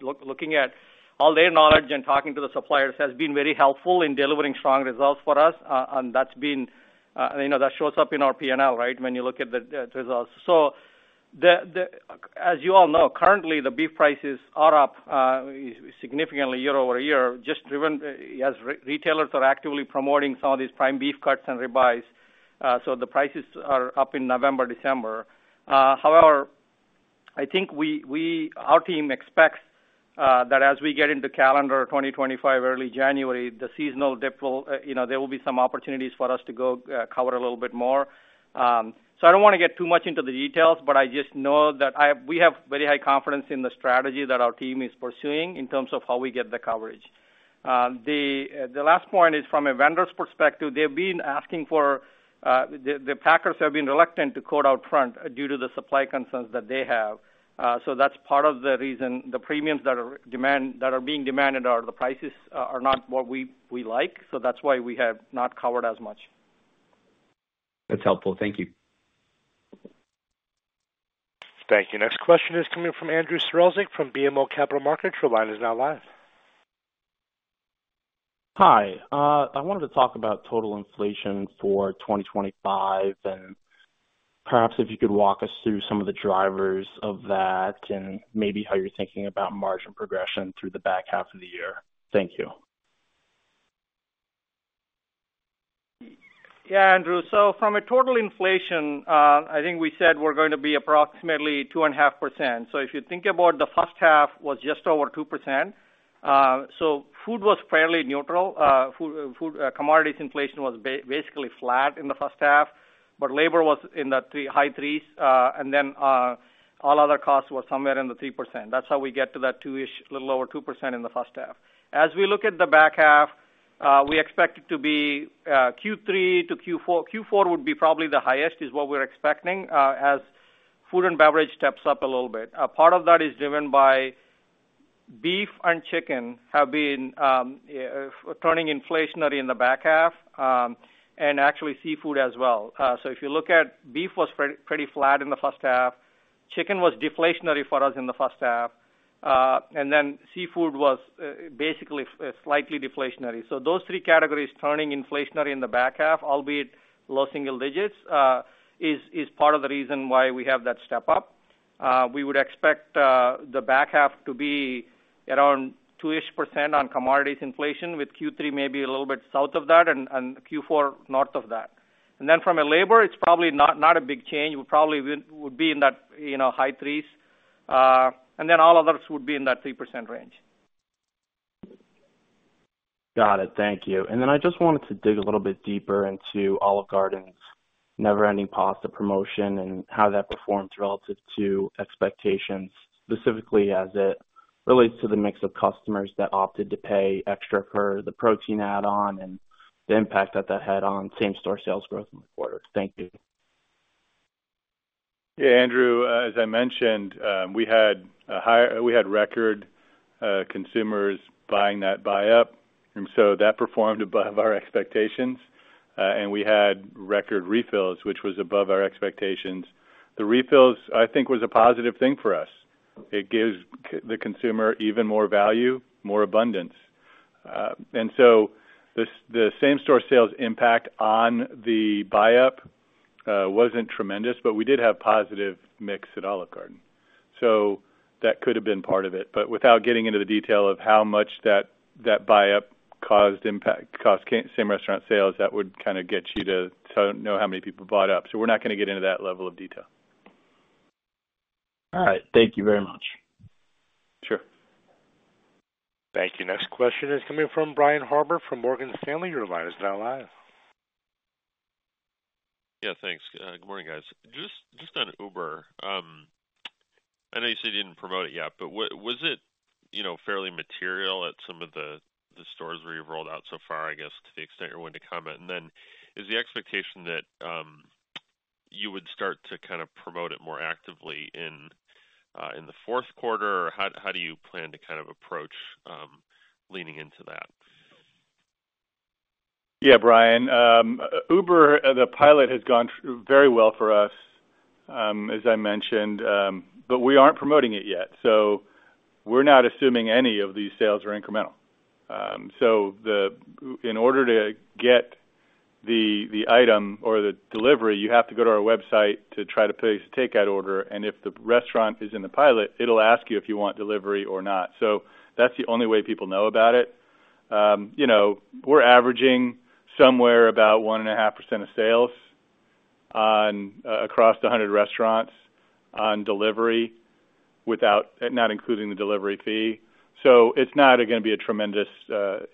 Looking at all their knowledge and talking to the suppliers has been very helpful in delivering strong results for us. And that's been that shows up in our P&L, right, when you look at the results. So as you all know, currently the beef prices are up significantly year over year, just driven as retailers are actively promoting some of these prime beef cuts and ribeyes. So the prices are up in November, December. However, I think our team expects that as we get into calendar 2025, early January, the seasonal dip will. There will be some opportunities for us to go cover a little bit more. So I don't want to get too much into the details, but I just know that we have very high confidence in the strategy that our team is pursuing in terms of how we get the coverage. The last point is from a vendor's perspective, the packers have been reluctant to quote out front due to the supply concerns that they have. So that's part of the reason the premiums that are being demanded, the prices, are not what we like. So that's why we have not covered as much.
That's helpful. Thank you.
Thank you. Next question is coming from Andrew Strelzik from BMO Capital Markets. Your line is now live.
Hi. I wanted to talk about total inflation for 2025, and perhaps if you could walk us through some of the drivers of that and maybe how you're thinking about margin progression through the back half of the year. Thank you.
Yeah, Andrew. So from a total inflation, I think we said we're going to be approximately 2.5%. So if you think about the first half was just over 2%. So food was fairly neutral. Commodities inflation was basically flat in the first half, but labor was in the high threes. And then all other costs were somewhere in the 3%. That's how we get to that 2-ish, a little over 2% in the first half. As we look at the back half, we expect it to be Q3 to Q4. Q4 would be probably the highest is what we're expecting as food and beverage steps up a little bit. Part of that is driven by beef and chicken have been turning inflationary in the back half and actually seafood as well. So if you look at beef was pretty flat in the first half. Chicken was deflationary for us in the first half, and then seafood was basically slightly deflationary, so those three categories turning inflationary in the back half, albeit low single digits, is part of the reason why we have that step up. We would expect the back half to be around 2-ish% on commodities inflation with Q3 maybe a little bit south of that and Q4 north of that, and then from a labor, it's probably not a big change. We probably would be in that high threes, and then all others would be in that 3% range.
Got it. Thank you. And then I just wanted to dig a little bit deeper into Olive Garden's never-ending pasta promotion and how that performed relative to expectations, specifically as it relates to the mix of customers that opted to pay extra for the protein add-on and the impact that that had on same-store sales growth in the quarter. Thank you.
Yeah, Andrew. As I mentioned, we had record consumers buying that buy-up. And so that performed above our expectations. And we had record refills, which was above our expectations. The refills, I think, was a positive thing for us. It gives the consumer even more value, more abundance. And so the same-restaurant sales impact on the buy-up wasn't tremendous, but we did have positive mix at Olive Garden. So that could have been part of it. But without getting into the detail of how much that buy-up caused impact cost same-restaurant sales, that would kind of get you to know how many people bought up. So we're not going to get into that level of detail.
All right. Thank you very much.
Sure.
Thank you. Next question is coming from Brian Harbour from Morgan Stanley. Your line is now live.
Yeah, thanks. Good morning, guys. Just on Uber, I know you said you didn't promote it yet, but was it fairly material at some of the stores where you've rolled out so far, I guess, to the extent you're willing to comment? And then is the expectation that you would start to kind of promote it more actively in the fourth quarter? Or how do you plan to kind of approach leaning into that?
Yeah, Brian. Uber, the pilot has gone very well for us, as I mentioned, but we aren't promoting it yet. So we're not assuming any of these sales are incremental. So in order to get the item or the delivery, you have to go to our website to try to place a takeout order. And if the restaurant is in the pilot, it'll ask you if you want delivery or not. So that's the only way people know about it. We're averaging somewhere about 1.5% of sales across 100 restaurants on delivery, not including the delivery fee. So it's not going to be a tremendous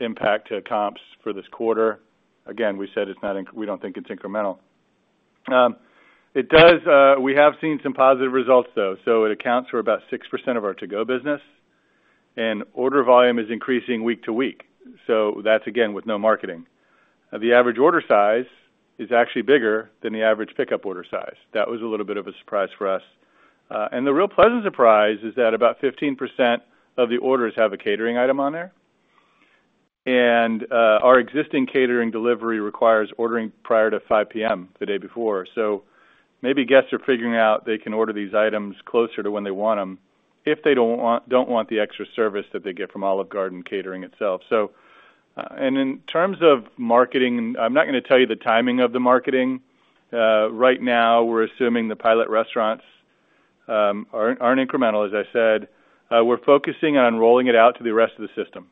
impact to comps for this quarter. Again, we said we don't think it's incremental. We have seen some positive results, though. So it accounts for about 6% of our to-go business. And order volume is increasing week to week. So that's again with no marketing. The average order size is actually bigger than the average pickup order size. That was a little bit of a surprise for us. And the real pleasant surprise is that about 15% of the orders have a catering item on there. And our existing catering delivery requires ordering prior to 5:00 P.M. the day before. So maybe guests are figuring out they can order these items closer to when they want them if they don't want the extra service that they get from Olive Garden catering itself. And in terms of marketing, I'm not going to tell you the timing of the marketing. Right now, we're assuming the pilot restaurants aren't incremental, as I said. We're focusing on rolling it out to the rest of the system,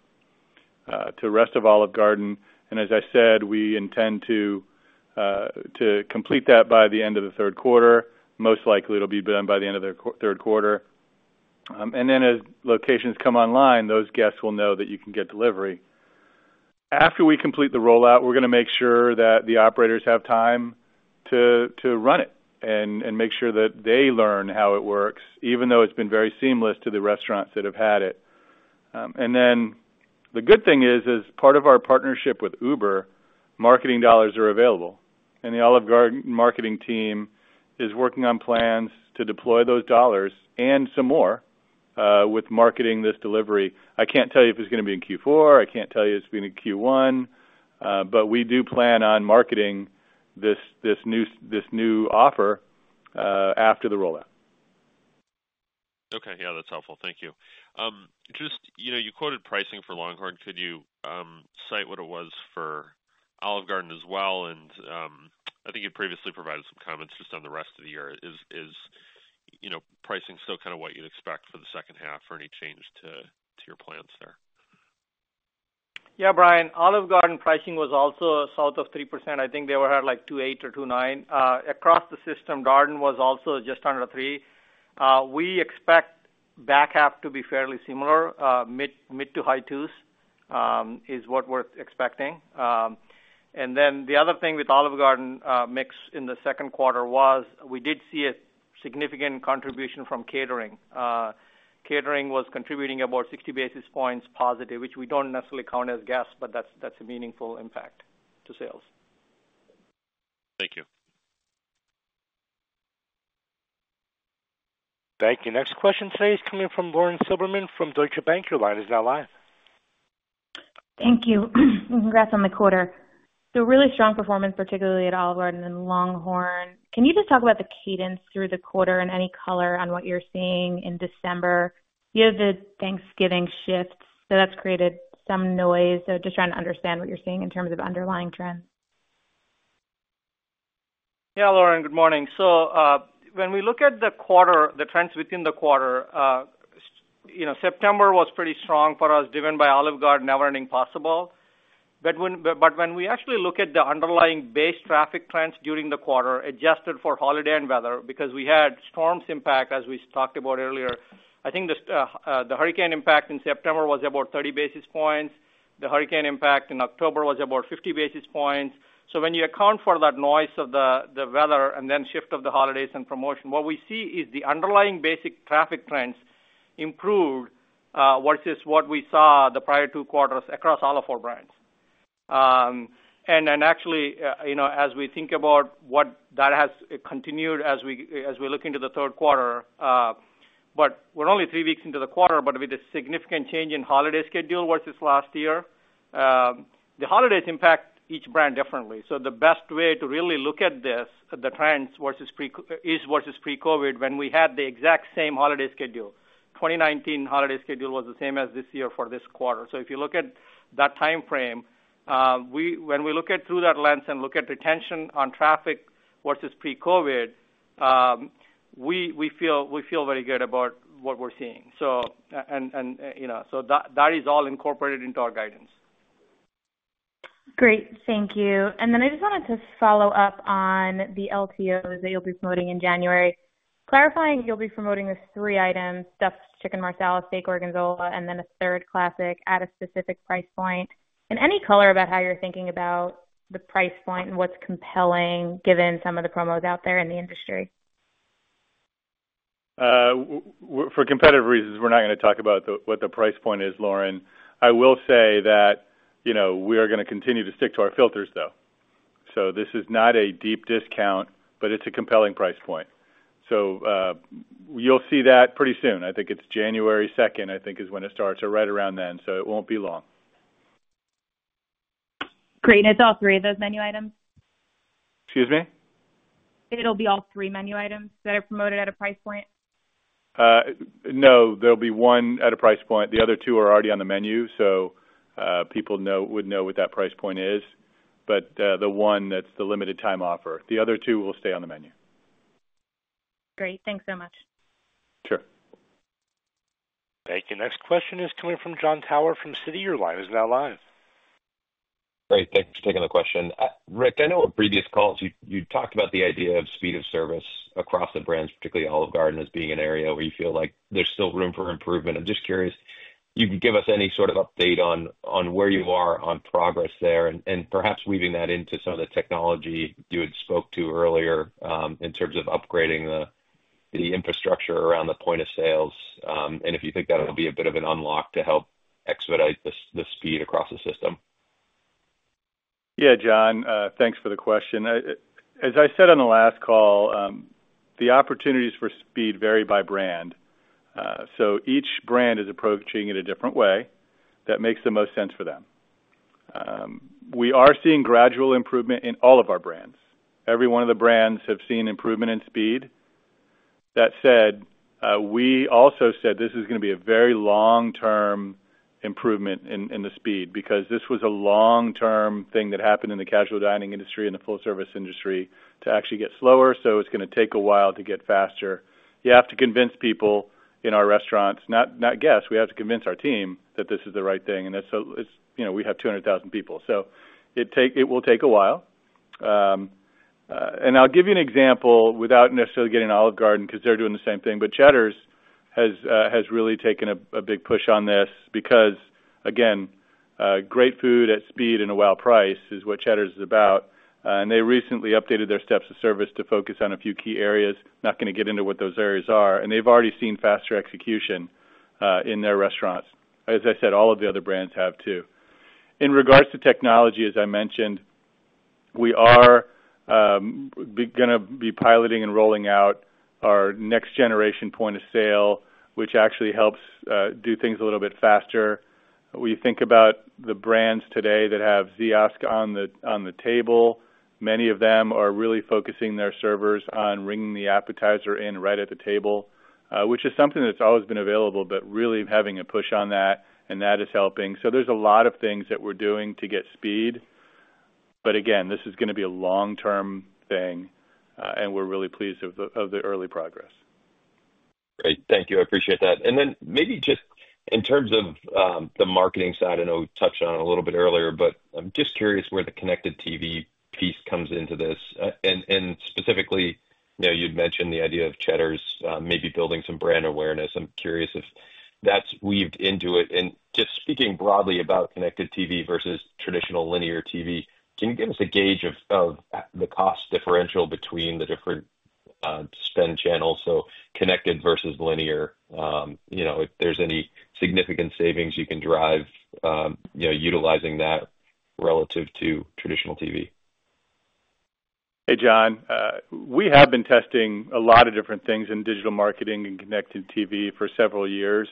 to the rest of Olive Garden. And as I said, we intend to complete that by the end of the third quarter. Most likely, it'll be done by the end of the third quarter. And then as locations come online, those guests will know that you can get delivery. After we complete the rollout, we're going to make sure that the operators have time to run it and make sure that they learn how it works, even though it's been very seamless to the restaurants that have had it. And then the good thing is, as part of our partnership with Uber, marketing dollars are available. And the Olive Garden marketing team is working on plans to deploy those dollars and some more with marketing this delivery. I can't tell you if it's going to be in Q4. I can't tell you it's going to be in Q1. But we do plan on marketing this new offer after the rollout.
Okay. Yeah, that's helpful. Thank you. Just you quoted pricing for LongHorn. Could you cite what it was for Olive Garden as well? And I think you previously provided some comments just on the rest of the year. Is pricing still kind of what you'd expect for the second half or any change to your plans there?
Yeah, Brian. Olive Garden pricing was also south of 3%. I think they were at like 2.8 or 2.9. Across the system, Garden was also just under 3. We expect back half to be fairly similar. Mid to high twos is what we're expecting. And then the other thing with Olive Garden mix in the second quarter was we did see a significant contribution from catering. Catering was contributing about 60 basis points positive, which we don't necessarily count as guests, but that's a meaningful impact to sales.
Thank you.
Thank you. Next question today is coming from Lauren Silberman from Deutsche Bank. Your line is now live.
Thank you. Congrats on the quarter. So really strong performance, particularly at Olive Garden and LongHorn. Can you just talk about the cadence through the quarter and any color on what you're seeing in December? You have the Thanksgiving shift, so that's created some noise. So just trying to understand what you're seeing in terms of underlying trends.
Yeah, Lauren, good morning. So when we look at the quarter, the trends within the quarter, September was pretty strong for us driven by Olive Garden Never-Ending Pasta Bowl. But when we actually look at the underlying base traffic trends during the quarter, adjusted for holiday and weather because we had storms impact as we talked about earlier. I think the hurricane impact in September was about 30 basis points. The hurricane impact in October was about 50 basis points. So when you account for that noise of the weather and then shift of the holidays and promotion, what we see is the underlying basic traffic trends improved versus what we saw the prior two quarters across all of our brands. Actually, as we think about what that has continued as we look into the third quarter, but we're only three weeks into the quarter, but with a significant change in holiday schedule versus last year, the holidays impact each brand differently. So the best way to really look at this, the trends versus pre-COVID, when we had the exact same holiday schedule, 2019 holiday schedule was the same as this year for this quarter. So if you look at that time frame, when we look at through that lens and look at retention on traffic versus pre-COVID, we feel very good about what we're seeing. And so that is all incorporated into our guidance.
Great. Thank you. And then I just wanted to follow up on the LTOs that you'll be promoting in January. Clarifying, you'll be promoting the three items: Stuffed Chicken Marsala, Steak Gorgonzola, and then a third classic at a specific price point. And any color about how you're thinking about the price point and what's compelling given some of the promos out there in the industry?
For competitive reasons, we're not going to talk about what the price point is, Lauren. I will say that we are going to continue to stick to our filters, though. So this is not a deep discount, but it's a compelling price point. So you'll see that pretty soon. I think it's January 2nd, I think, is when it starts or right around then. So it won't be long.
Great. And it's all three of those menu items?
Excuse me?
It'll be all three menu items that are promoted at a price point?
No, there'll be one at a price point. The other two are already on the menu, so people would know what that price point is. But the one, that's the limited-time offer. The other two will stay on the menu.
Great. Thanks so much.
Sure.
Thank you. Next question is coming from Jon Tower from Citi. Your line is now live.
Great. Thanks for taking the question. Rick, I know on previous calls, you talked about the idea of speed of service across the brands, particularly Olive Garden as being an area where you feel like there's still room for improvement. I'm just curious, you can give us any sort of update on where you are on progress there and perhaps weaving that into some of the technology you had spoke to earlier in terms of upgrading the infrastructure around the point of sale. And if you think that'll be a bit of an unlock to help expedite the speed across the system.
Yeah, Jon, thanks for the question. As I said on the last call, the opportunities for speed vary by brand. So each brand is approaching it a different way that makes the most sense for them. We are seeing gradual improvement in all of our brands. Every one of the brands has seen improvement in speed. That said, we also said this is going to be a very long-term improvement in the speed because this was a long-term thing that happened in the casual dining industry and the full-service industry to actually get slower. So it's going to take a while to get faster. You have to convince people in our restaurants, not guests. We have to convince our team that this is the right thing. And we have 200,000 people. So it will take a while. And I'll give you an example without necessarily getting Olive Garden because they're doing the same thing. But Cheddar's has really taken a big push on this because, again, great food at speed and a well-priced is what Cheddar's is about. And they recently updated their steps of service to focus on a few key areas. Not going to get into what those areas are. And they've already seen faster execution in their restaurants. As I said, all of the other brands have too. In regards to technology, as I mentioned, we are going to be piloting and rolling out our next-generation point of sale, which actually helps do things a little bit faster. When you think about the brands today that have Ziosk on the table, many of them are really focusing their servers on ringing the appetizer in right at the table, which is something that's always been available, but really having a push on that, and that is helping. So there's a lot of things that we're doing to get speed. But again, this is going to be a long-term thing, and we're really pleased of the early progress.
Great. Thank you. I appreciate that. And then maybe just in terms of the marketing side, I know we touched on it a little bit earlier, but I'm just curious where the connected TV piece comes into this. And specifically, you'd mentioned the idea of Cheddar's maybe building some brand awareness. I'm curious if that's weaved into it. And just speaking broadly about connected TV versus traditional linear TV, can you give us a gauge of the cost differential between the different spend channels? So connected versus linear, if there's any significant savings you can drive utilizing that relative to traditional TV? Hey, Jon. We have been testing a lot of different things in digital marketing and connected TV for several years.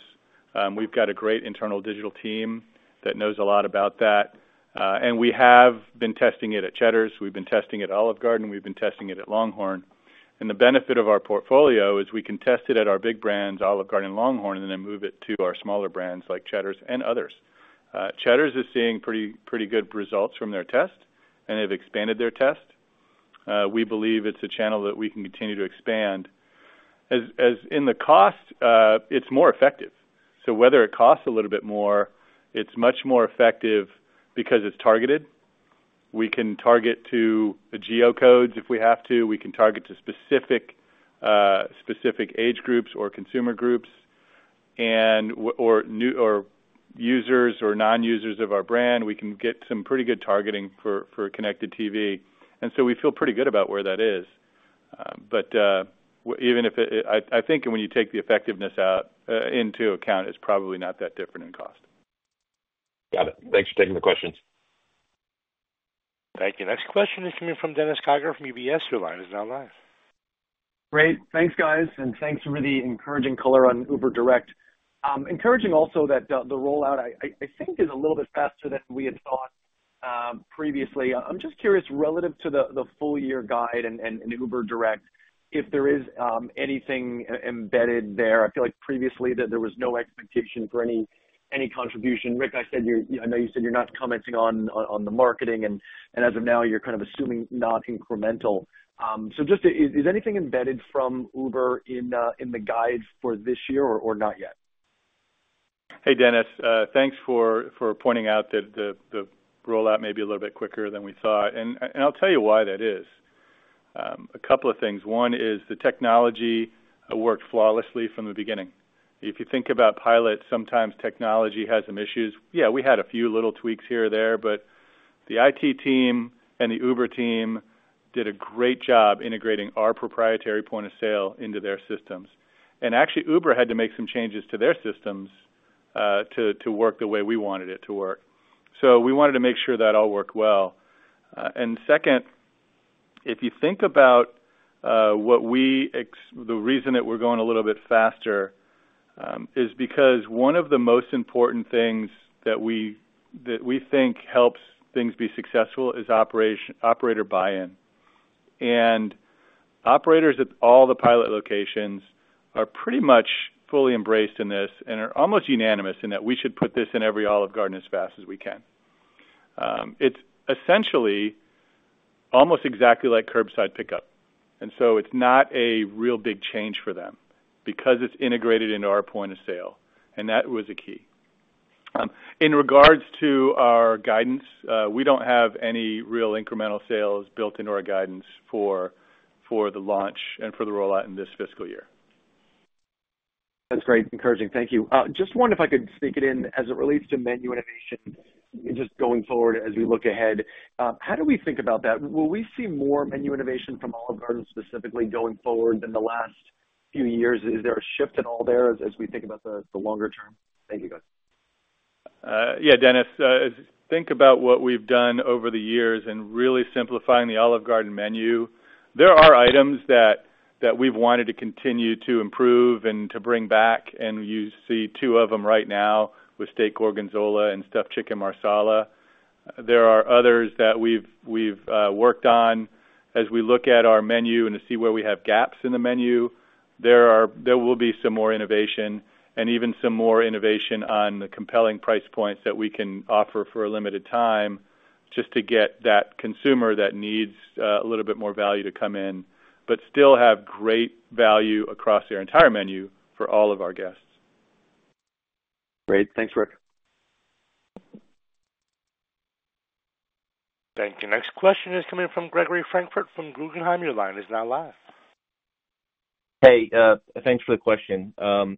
We've got a great internal digital team that knows a lot about that. And we have been testing it at Cheddar's. We've been testing it at Olive Garden. We've been testing it at LongHorn. And the benefit of our portfolio is we can test it at our big brands, Olive Garden and LongHorn, and then move it to our smaller brands like Cheddar's and others. Cheddar's is seeing pretty good results from their test, and they've expanded their test. We believe it's a channel that we can continue to expand. As in the cost, it's more effective. So whether it costs a little bit more, it's much more effective because it's targeted. We can target to geocodes if we have to. We can target to specific age groups or consumer groups or users or non-users of our brand. We can get some pretty good targeting for connected TV. And so we feel pretty good about where that is. But even if I think when you take the effectiveness into account, it's probably not that different in cost. Got it. Thanks for taking the questions.
Thank you. Next question is coming from Dennis Geiger from UBS. Your line is now live.
Great. Thanks, guys. And thanks for the encouraging color on Uber Direct. Encouraging also that the rollout, I think, is a little bit faster than we had thought previously. I'm just curious relative to the full-year guide and Uber Direct, if there is anything embedded there. I feel like previously that there was no expectation for any contribution. Rick, I know you said you're not commenting on the marketing, and as of now, you're kind of assuming not incremental. So just is anything embedded from Uber in the guide for this year or not yet?
Hey, Dennis, thanks for pointing out that the rollout may be a little bit quicker than we thought. And I'll tell you why that is. A couple of things. One is the technology worked flawlessly from the beginning. If you think about pilots, sometimes technology has some issues. Yeah, we had a few little tweaks here or there, but the IT team and the Uber team did a great job integrating our proprietary point of sale into their systems. And actually, Uber had to make some changes to their systems to work the way we wanted it to work. So we wanted to make sure that all worked well. And second, if you think about the reason that we're going a little bit faster is because one of the most important things that we think helps things be successful is operator buy-in. Operators at all the pilot locations are pretty much fully embraced in this and are almost unanimous in that we should put this in every Olive Garden as fast as we can. It's essentially almost exactly like curbside pickup. So it's not a real big change for them because it's integrated into our point of sale. That was a key. In regards to our guidance, we don't have any real incremental sales built into our guidance for the launch and for the rollout in this fiscal year.
That's great. Encouraging. Thank you. Just wondered if I could sneak it in as it relates to menu innovation just going forward as we look ahead. How do we think about that? Will we see more menu innovation from Olive Garden specifically going forward than the last few years? Is there a shift at all there as we think about the longer term? Thank you, guys.
Yeah, Dennis, think about what we've done over the years in really simplifying the Olive Garden menu. There are items that we've wanted to continue to improve and to bring back, and you see two of them right now with Steak Gorgonzola and Stuffed Chicken Marsala. There are others that we've worked on as we look at our menu and to see where we have gaps in the menu. There will be some more innovation and even some more innovation on the compelling price points that we can offer for a limited time just to get that consumer that needs a little bit more value to come in, but still have great value across our entire menu for all of our guests.
Great. Thanks, Rick.
Thank you. Next question is coming from Gregory Francfort from Guggenheim. Your line is now live.
Hey, thanks for the question.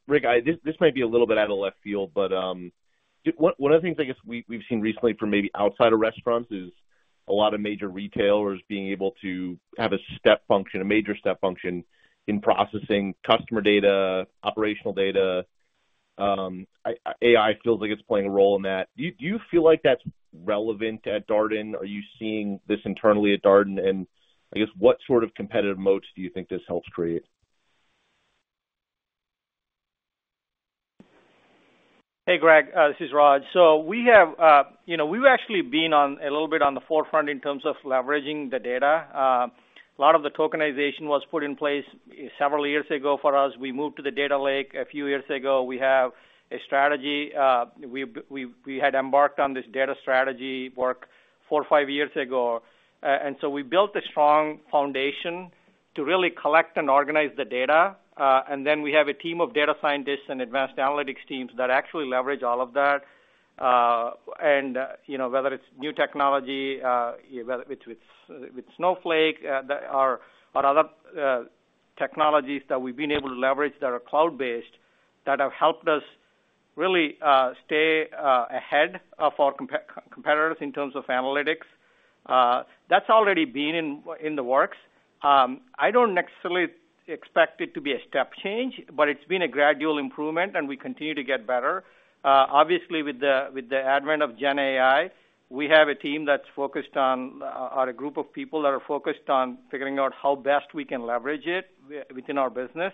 Rick, this may be a little bit out of left field, but one of the things I guess we've seen recently for maybe outsider restaurants is a lot of major retailers being able to have a step function, a major step function in processing customer data, operational data. AI feels like it's playing a role in that. Do you feel like that's relevant at Darden? Are you seeing this internally at Darden? And I guess what sort of competitive moats do you think this helps create?
Hey, Greg, this is Raj. So we have actually been a little bit on the forefront in terms of leveraging the data. A lot of the tokenization was put in place several years ago for us. We moved to the data lake a few years ago. We have a strategy. We had embarked on this data strategy work four or five years ago. And so we built a strong foundation to really collect and organize the data. And then we have a team of data scientists and advanced analytics teams that actually leverage all of that. And whether it's new technology with Snowflake or other technologies that we've been able to leverage that are cloud-based that have helped us really stay ahead of our competitors in terms of analytics, that's already been in the works. I don't necessarily expect it to be a step change, but it's been a gradual improvement, and we continue to get better. Obviously, with the advent of GenAI, we have a team that's focused on or a group of people that are focused on figuring out how best we can leverage it within our business.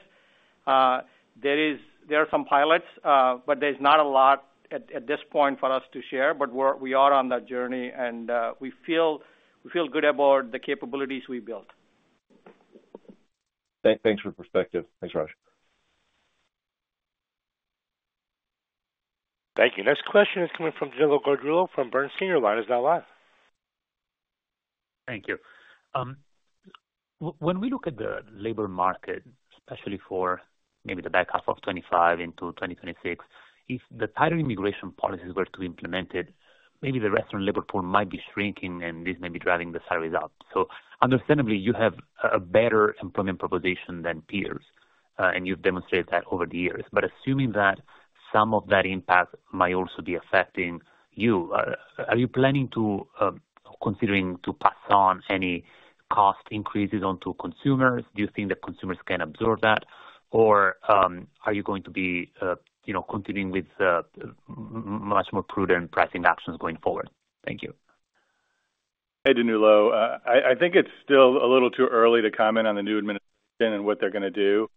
There are some pilots, but there's not a lot at this point for us to share. But we are on that journey, and we feel good about the capabilities we built.
Thanks for the perspective. Thanks, Raj.
Thank you. Next question is coming from Danilo Gargiulo from Bernstein. Your line is now live.
Thank you. When we look at the labor market, especially for maybe the back half of 2025 into 2026, if the tighter immigration policies were to be implemented, maybe the restaurant labor pool might be shrinking, and this may be driving the salaries up. So understandably, you have a better employment proposition than peers, and you've demonstrated that over the years. But assuming that some of that impact might also be affecting you, are you planning to consider pass on any cost increases onto consumers? Do you think that consumers can absorb that? Or are you going to be continuing with much more prudent pricing actions going forward? Thank you.
Hey, Danilo. I think it's still a little too early to comment on the new administration and what they're going to do.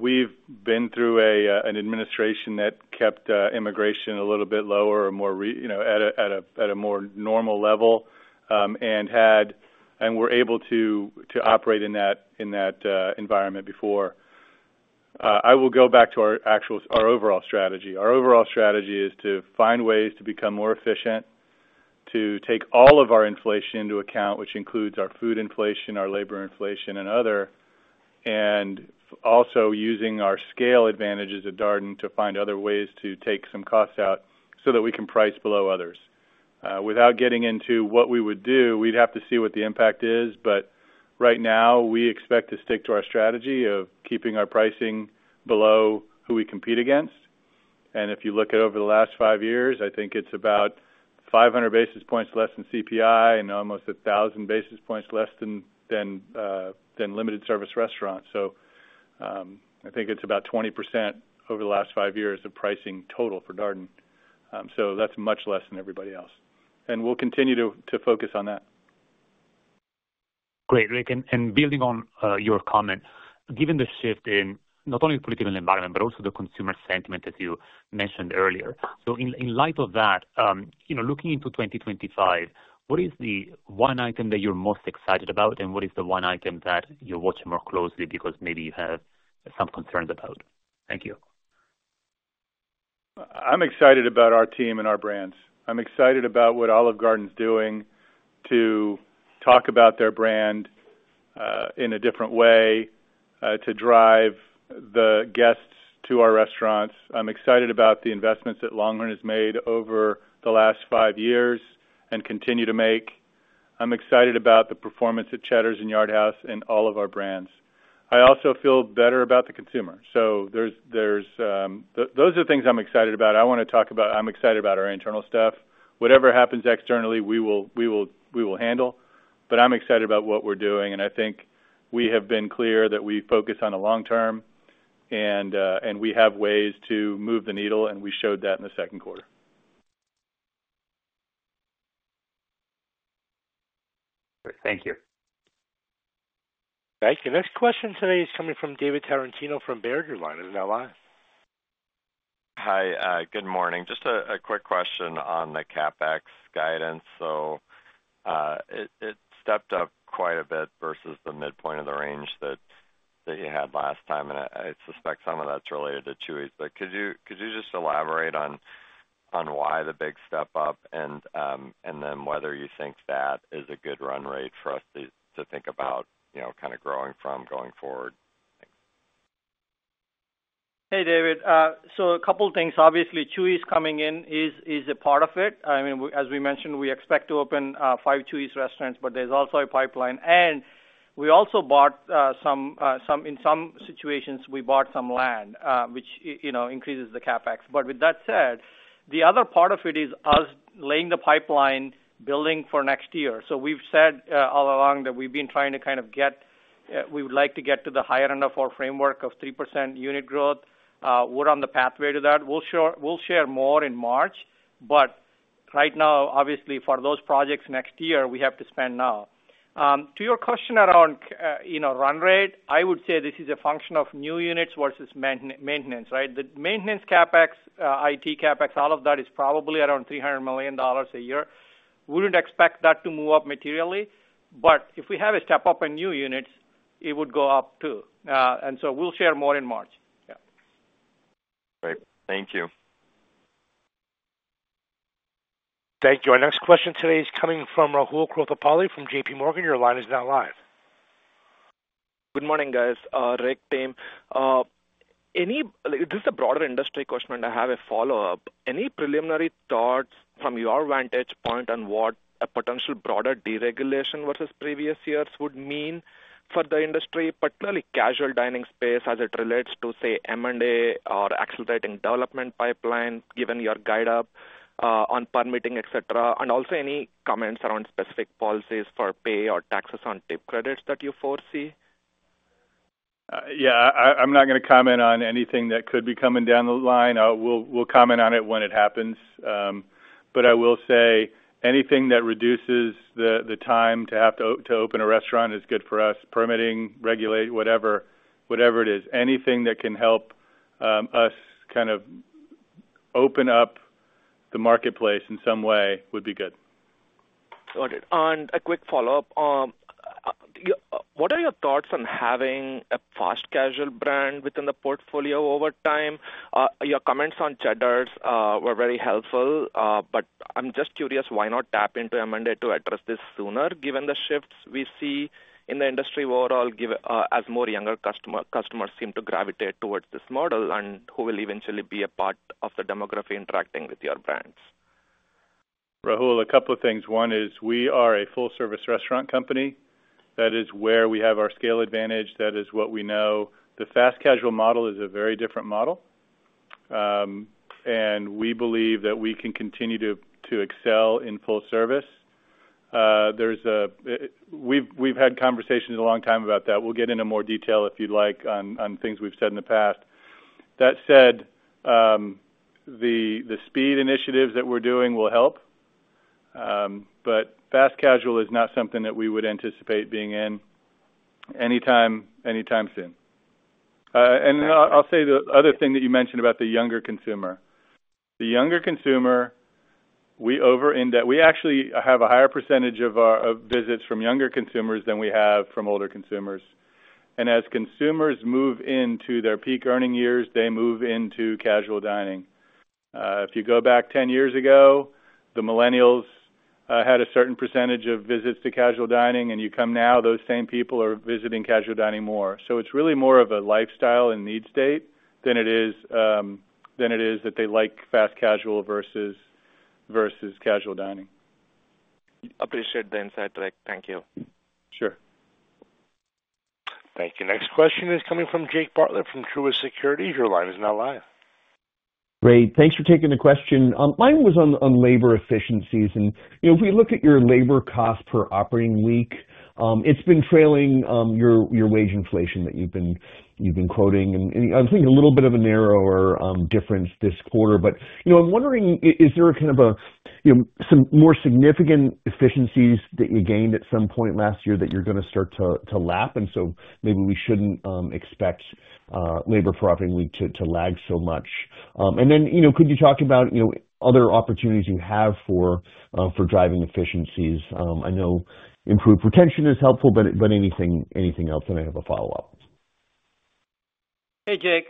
We've been through an administration that kept immigration a little bit lower or more at a more normal level and were able to operate in that environment before. I will go back to our overall strategy. Our overall strategy is to find ways to become more efficient, to take all of our inflation into account, which includes our food inflation, our labor inflation, and other, and also using our scale advantages at Darden to find other ways to take some costs out so that we can price below others. Without getting into what we would do, we'd have to see what the impact is. But right now, we expect to stick to our strategy of keeping our pricing below who we compete against. And if you look at over the last five years, I think it's about 500 basis points less than CPI and almost 1,000 basis points less than limited-service restaurants. So I think it's about 20% over the last five years of pricing total for Darden. So that's much less than everybody else. And we'll continue to focus on that.
Great, Rick. And building on your comment, given the shift in not only the political environment, but also the consumer sentiment, as you mentioned earlier. So in light of that, looking into 2025, what is the one item that you're most excited about, and what is the one item that you're watching more closely because maybe you have some concerns about? Thank you.
I'm excited about our team and our brands. I'm excited about what Olive Garden's doing to talk about their brand in a different way, to drive the guests to our restaurants. I'm excited about the investments that LongHorn has made over the last five years and continue to make. I'm excited about the performance at Cheddar's and Yard House and all of our brands. I also feel better about the consumer. So those are the things I'm excited about. I want to talk about. I'm excited about our internal stuff. Whatever happens externally, we will handle. But I'm excited about what we're doing. And I think we have been clear that we focus on the long term, and we have ways to move the needle, and we showed that in the second quarter.
Thank you.
Thank you. Next question today is coming from David Tarantino from Baird. Your line is now live.
Hi. Good morning. Just a quick question on the CapEx guidance. So it stepped up quite a bit versus the midpoint of the range that you had last time. And I suspect some of that's related to Chuy's. But could you just elaborate on why the big step up and then whether you think that is a good run rate for us to think about kind of growing from going forward?
Hey, David. So a couple of things. Obviously, Chuy's coming in is a part of it. I mean, as we mentioned, we expect to open five Chuy's restaurants, but there's also a pipeline. And we also bought some. In some situations, we bought some land, which increases the CapEx. But with that said, the other part of it is us laying the pipeline, building for next year. So we've said all along that we've been trying to kind of get. We would like to get to the higher end of our framework of 3% unit growth. We're on the pathway to that. We'll share more in March. But right now, obviously, for those projects next year, we have to spend now. To your question around run rate, I would say this is a function of new units versus maintenance, right? The maintenance CapEx, IT CapEx, all of that is probably around $300 million a year. Wouldn't expect that to move up materially. But if we have a step up in new units, it would go up too. And so we'll share more in March. Yeah.
Great. Thank you.
Thank you. Our next question today is coming from Rahul Krotthapalli from JPMorgan. Your line is now live.
Good morning, guys. Rick, team. This is a broader industry question, and I have a follow-up. Any preliminary thoughts from your vantage point on what a potential broader deregulation versus previous years would mean for the industry, particularly casual dining space as it relates to, say, M&A or accelerating development pipeline, given your guide up on permitting, etc.? And also any comments around specific policies for pay or taxes on tip credits that you foresee?
Yeah. I'm not going to comment on anything that could be coming down the line. We'll comment on it when it happens. But I will say anything that reduces the time to have to open a restaurant is good for us. Permitting, regulation, whatever it is. Anything that can help us kind of open up the marketplace in some way would be good.
Got it. And a quick follow-up. What are your thoughts on having a fast casual brand within the portfolio over time? Your comments on Cheddar's were very helpful, but I'm just curious why not tap into M&A to address this sooner, given the shifts we see in the industry overall, as more younger customers seem to gravitate towards this model and who will eventually be a part of the demography interacting with your brands?
Rahul, a couple of things. One is we are a full-service restaurant company. That is where we have our scale advantage. That is what we know. The fast casual model is a very different model. And we believe that we can continue to excel in full service. We've had conversations a long time about that. We'll get into more detail if you'd like on things we've said in the past. That said, the speed initiatives that we're doing will help. But fast casual is not something that we would anticipate being in anytime soon. And I'll say the other thing that you mentioned about the younger consumer. The younger consumer, we actually have a higher percentage of visits from younger consumers than we have from older consumers. And as consumers move into their peak earning years, they move into casual dining. If you go back 10 years ago, the millennials had a certain percentage of visits to casual dining. And you come now, those same people are visiting casual dining more. So it's really more of a lifestyle and need state than it is that they like fast casual versus casual dining.
Appreciate the insight, Rick. Thank you.
Sure.
Thank you. Next question is coming from Jake Bartlett from Truist Securities. Your line is now live.
Great. Thanks for taking the question. Mine was on labor efficiencies. And if we look at your labor cost per operating week, it's been trailing your wage inflation that you've been quoting. And I'm thinking a little bit of a narrower difference this quarter. But I'm wondering, is there kind of some more significant efficiencies that you gained at some point last year that you're going to start to lap? And so maybe we shouldn't expect labor for operating week to lag so much. And then could you talk about other opportunities you have for driving efficiencies? I know improved retention is helpful, but anything else? And I have a follow-up.
Hey, Jake.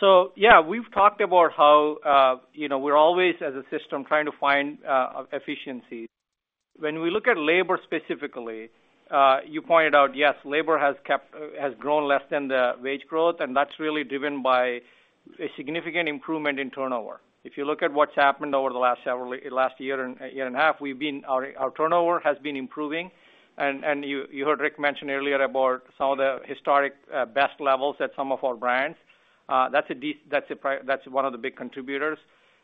So yeah, we've talked about how we're always, as a system, trying to find efficiencies. When we look at labor specifically, you pointed out, yes, labor has grown less than the wage growth, and that's really driven by a significant improvement in turnover. If you look at what's happened over the last year and a half, our turnover has been improving. And you heard Rick mention earlier about some of the historic best levels at some of our brands. That's one of the big contributors.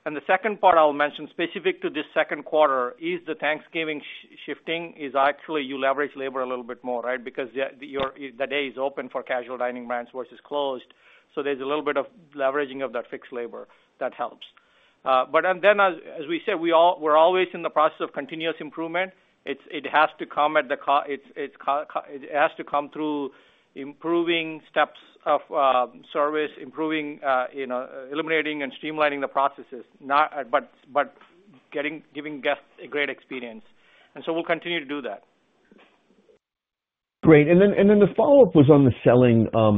And the second part I'll mention specific to this second quarter is the Thanksgiving shifting is actually you leverage labor a little bit more, right? Because the day is open for casual dining brands versus closed. So there's a little bit of leveraging of that fixed labor that helps. But then as we said, we're always in the process of continuous improvement. It has to come through improving steps of service, eliminating and streamlining the processes, but giving guests a great experience, and so we'll continue to do that.
Great. And then the follow-up was on the SG&A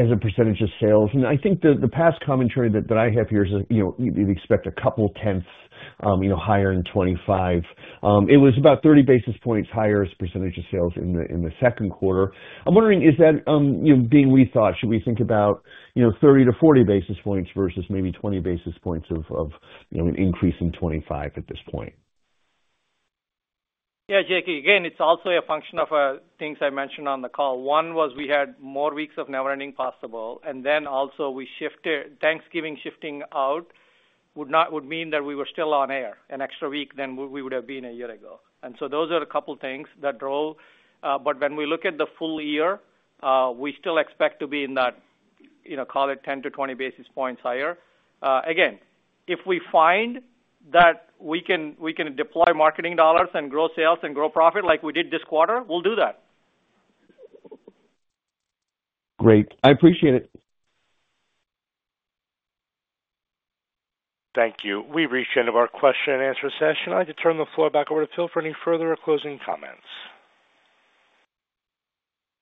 as a percentage of sales. And I think the past commentary that I have here is you'd expect a couple tenths higher in 2025. It was about 30 basis points higher as a percentage of sales in the second quarter. I'm wondering, is that being rethought? Should we think about 30 to 40 basis points versus maybe 20 basis points of an increase in 2025 at this point?
Yeah, Jake. Again, it's also a function of things I mentioned on the call. One was we had more weeks of Never-Ending Pasta Bowl. And then also we shifted Thanksgiving. Shifting out would mean that we were still on air an extra week than we would have been a year ago. And so those are a couple of things that drove. But when we look at the full year, we still expect to be in that, call it 10-20 basis points higher. Again, if we find that we can deploy marketing dollars and grow sales and grow profit like we did this quarter, we'll do that.
Great. I appreciate it.
Thank you. We've reached the end of our question-and-answer session. I'd like to turn the floor back over to Phil for any further or closing comments.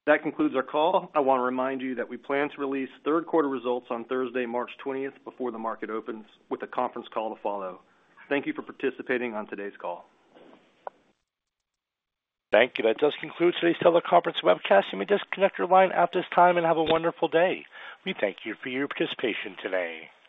That concludes our call. I want to remind you that we plan to release third-quarter results on Thursday, March 20th, before the market opens with a conference call to follow. Thank you for participating on today's call.
Thank you. That does conclude today's teleconference webcast. You may just connect your line at this time and have a wonderful day. We thank you for your participation today.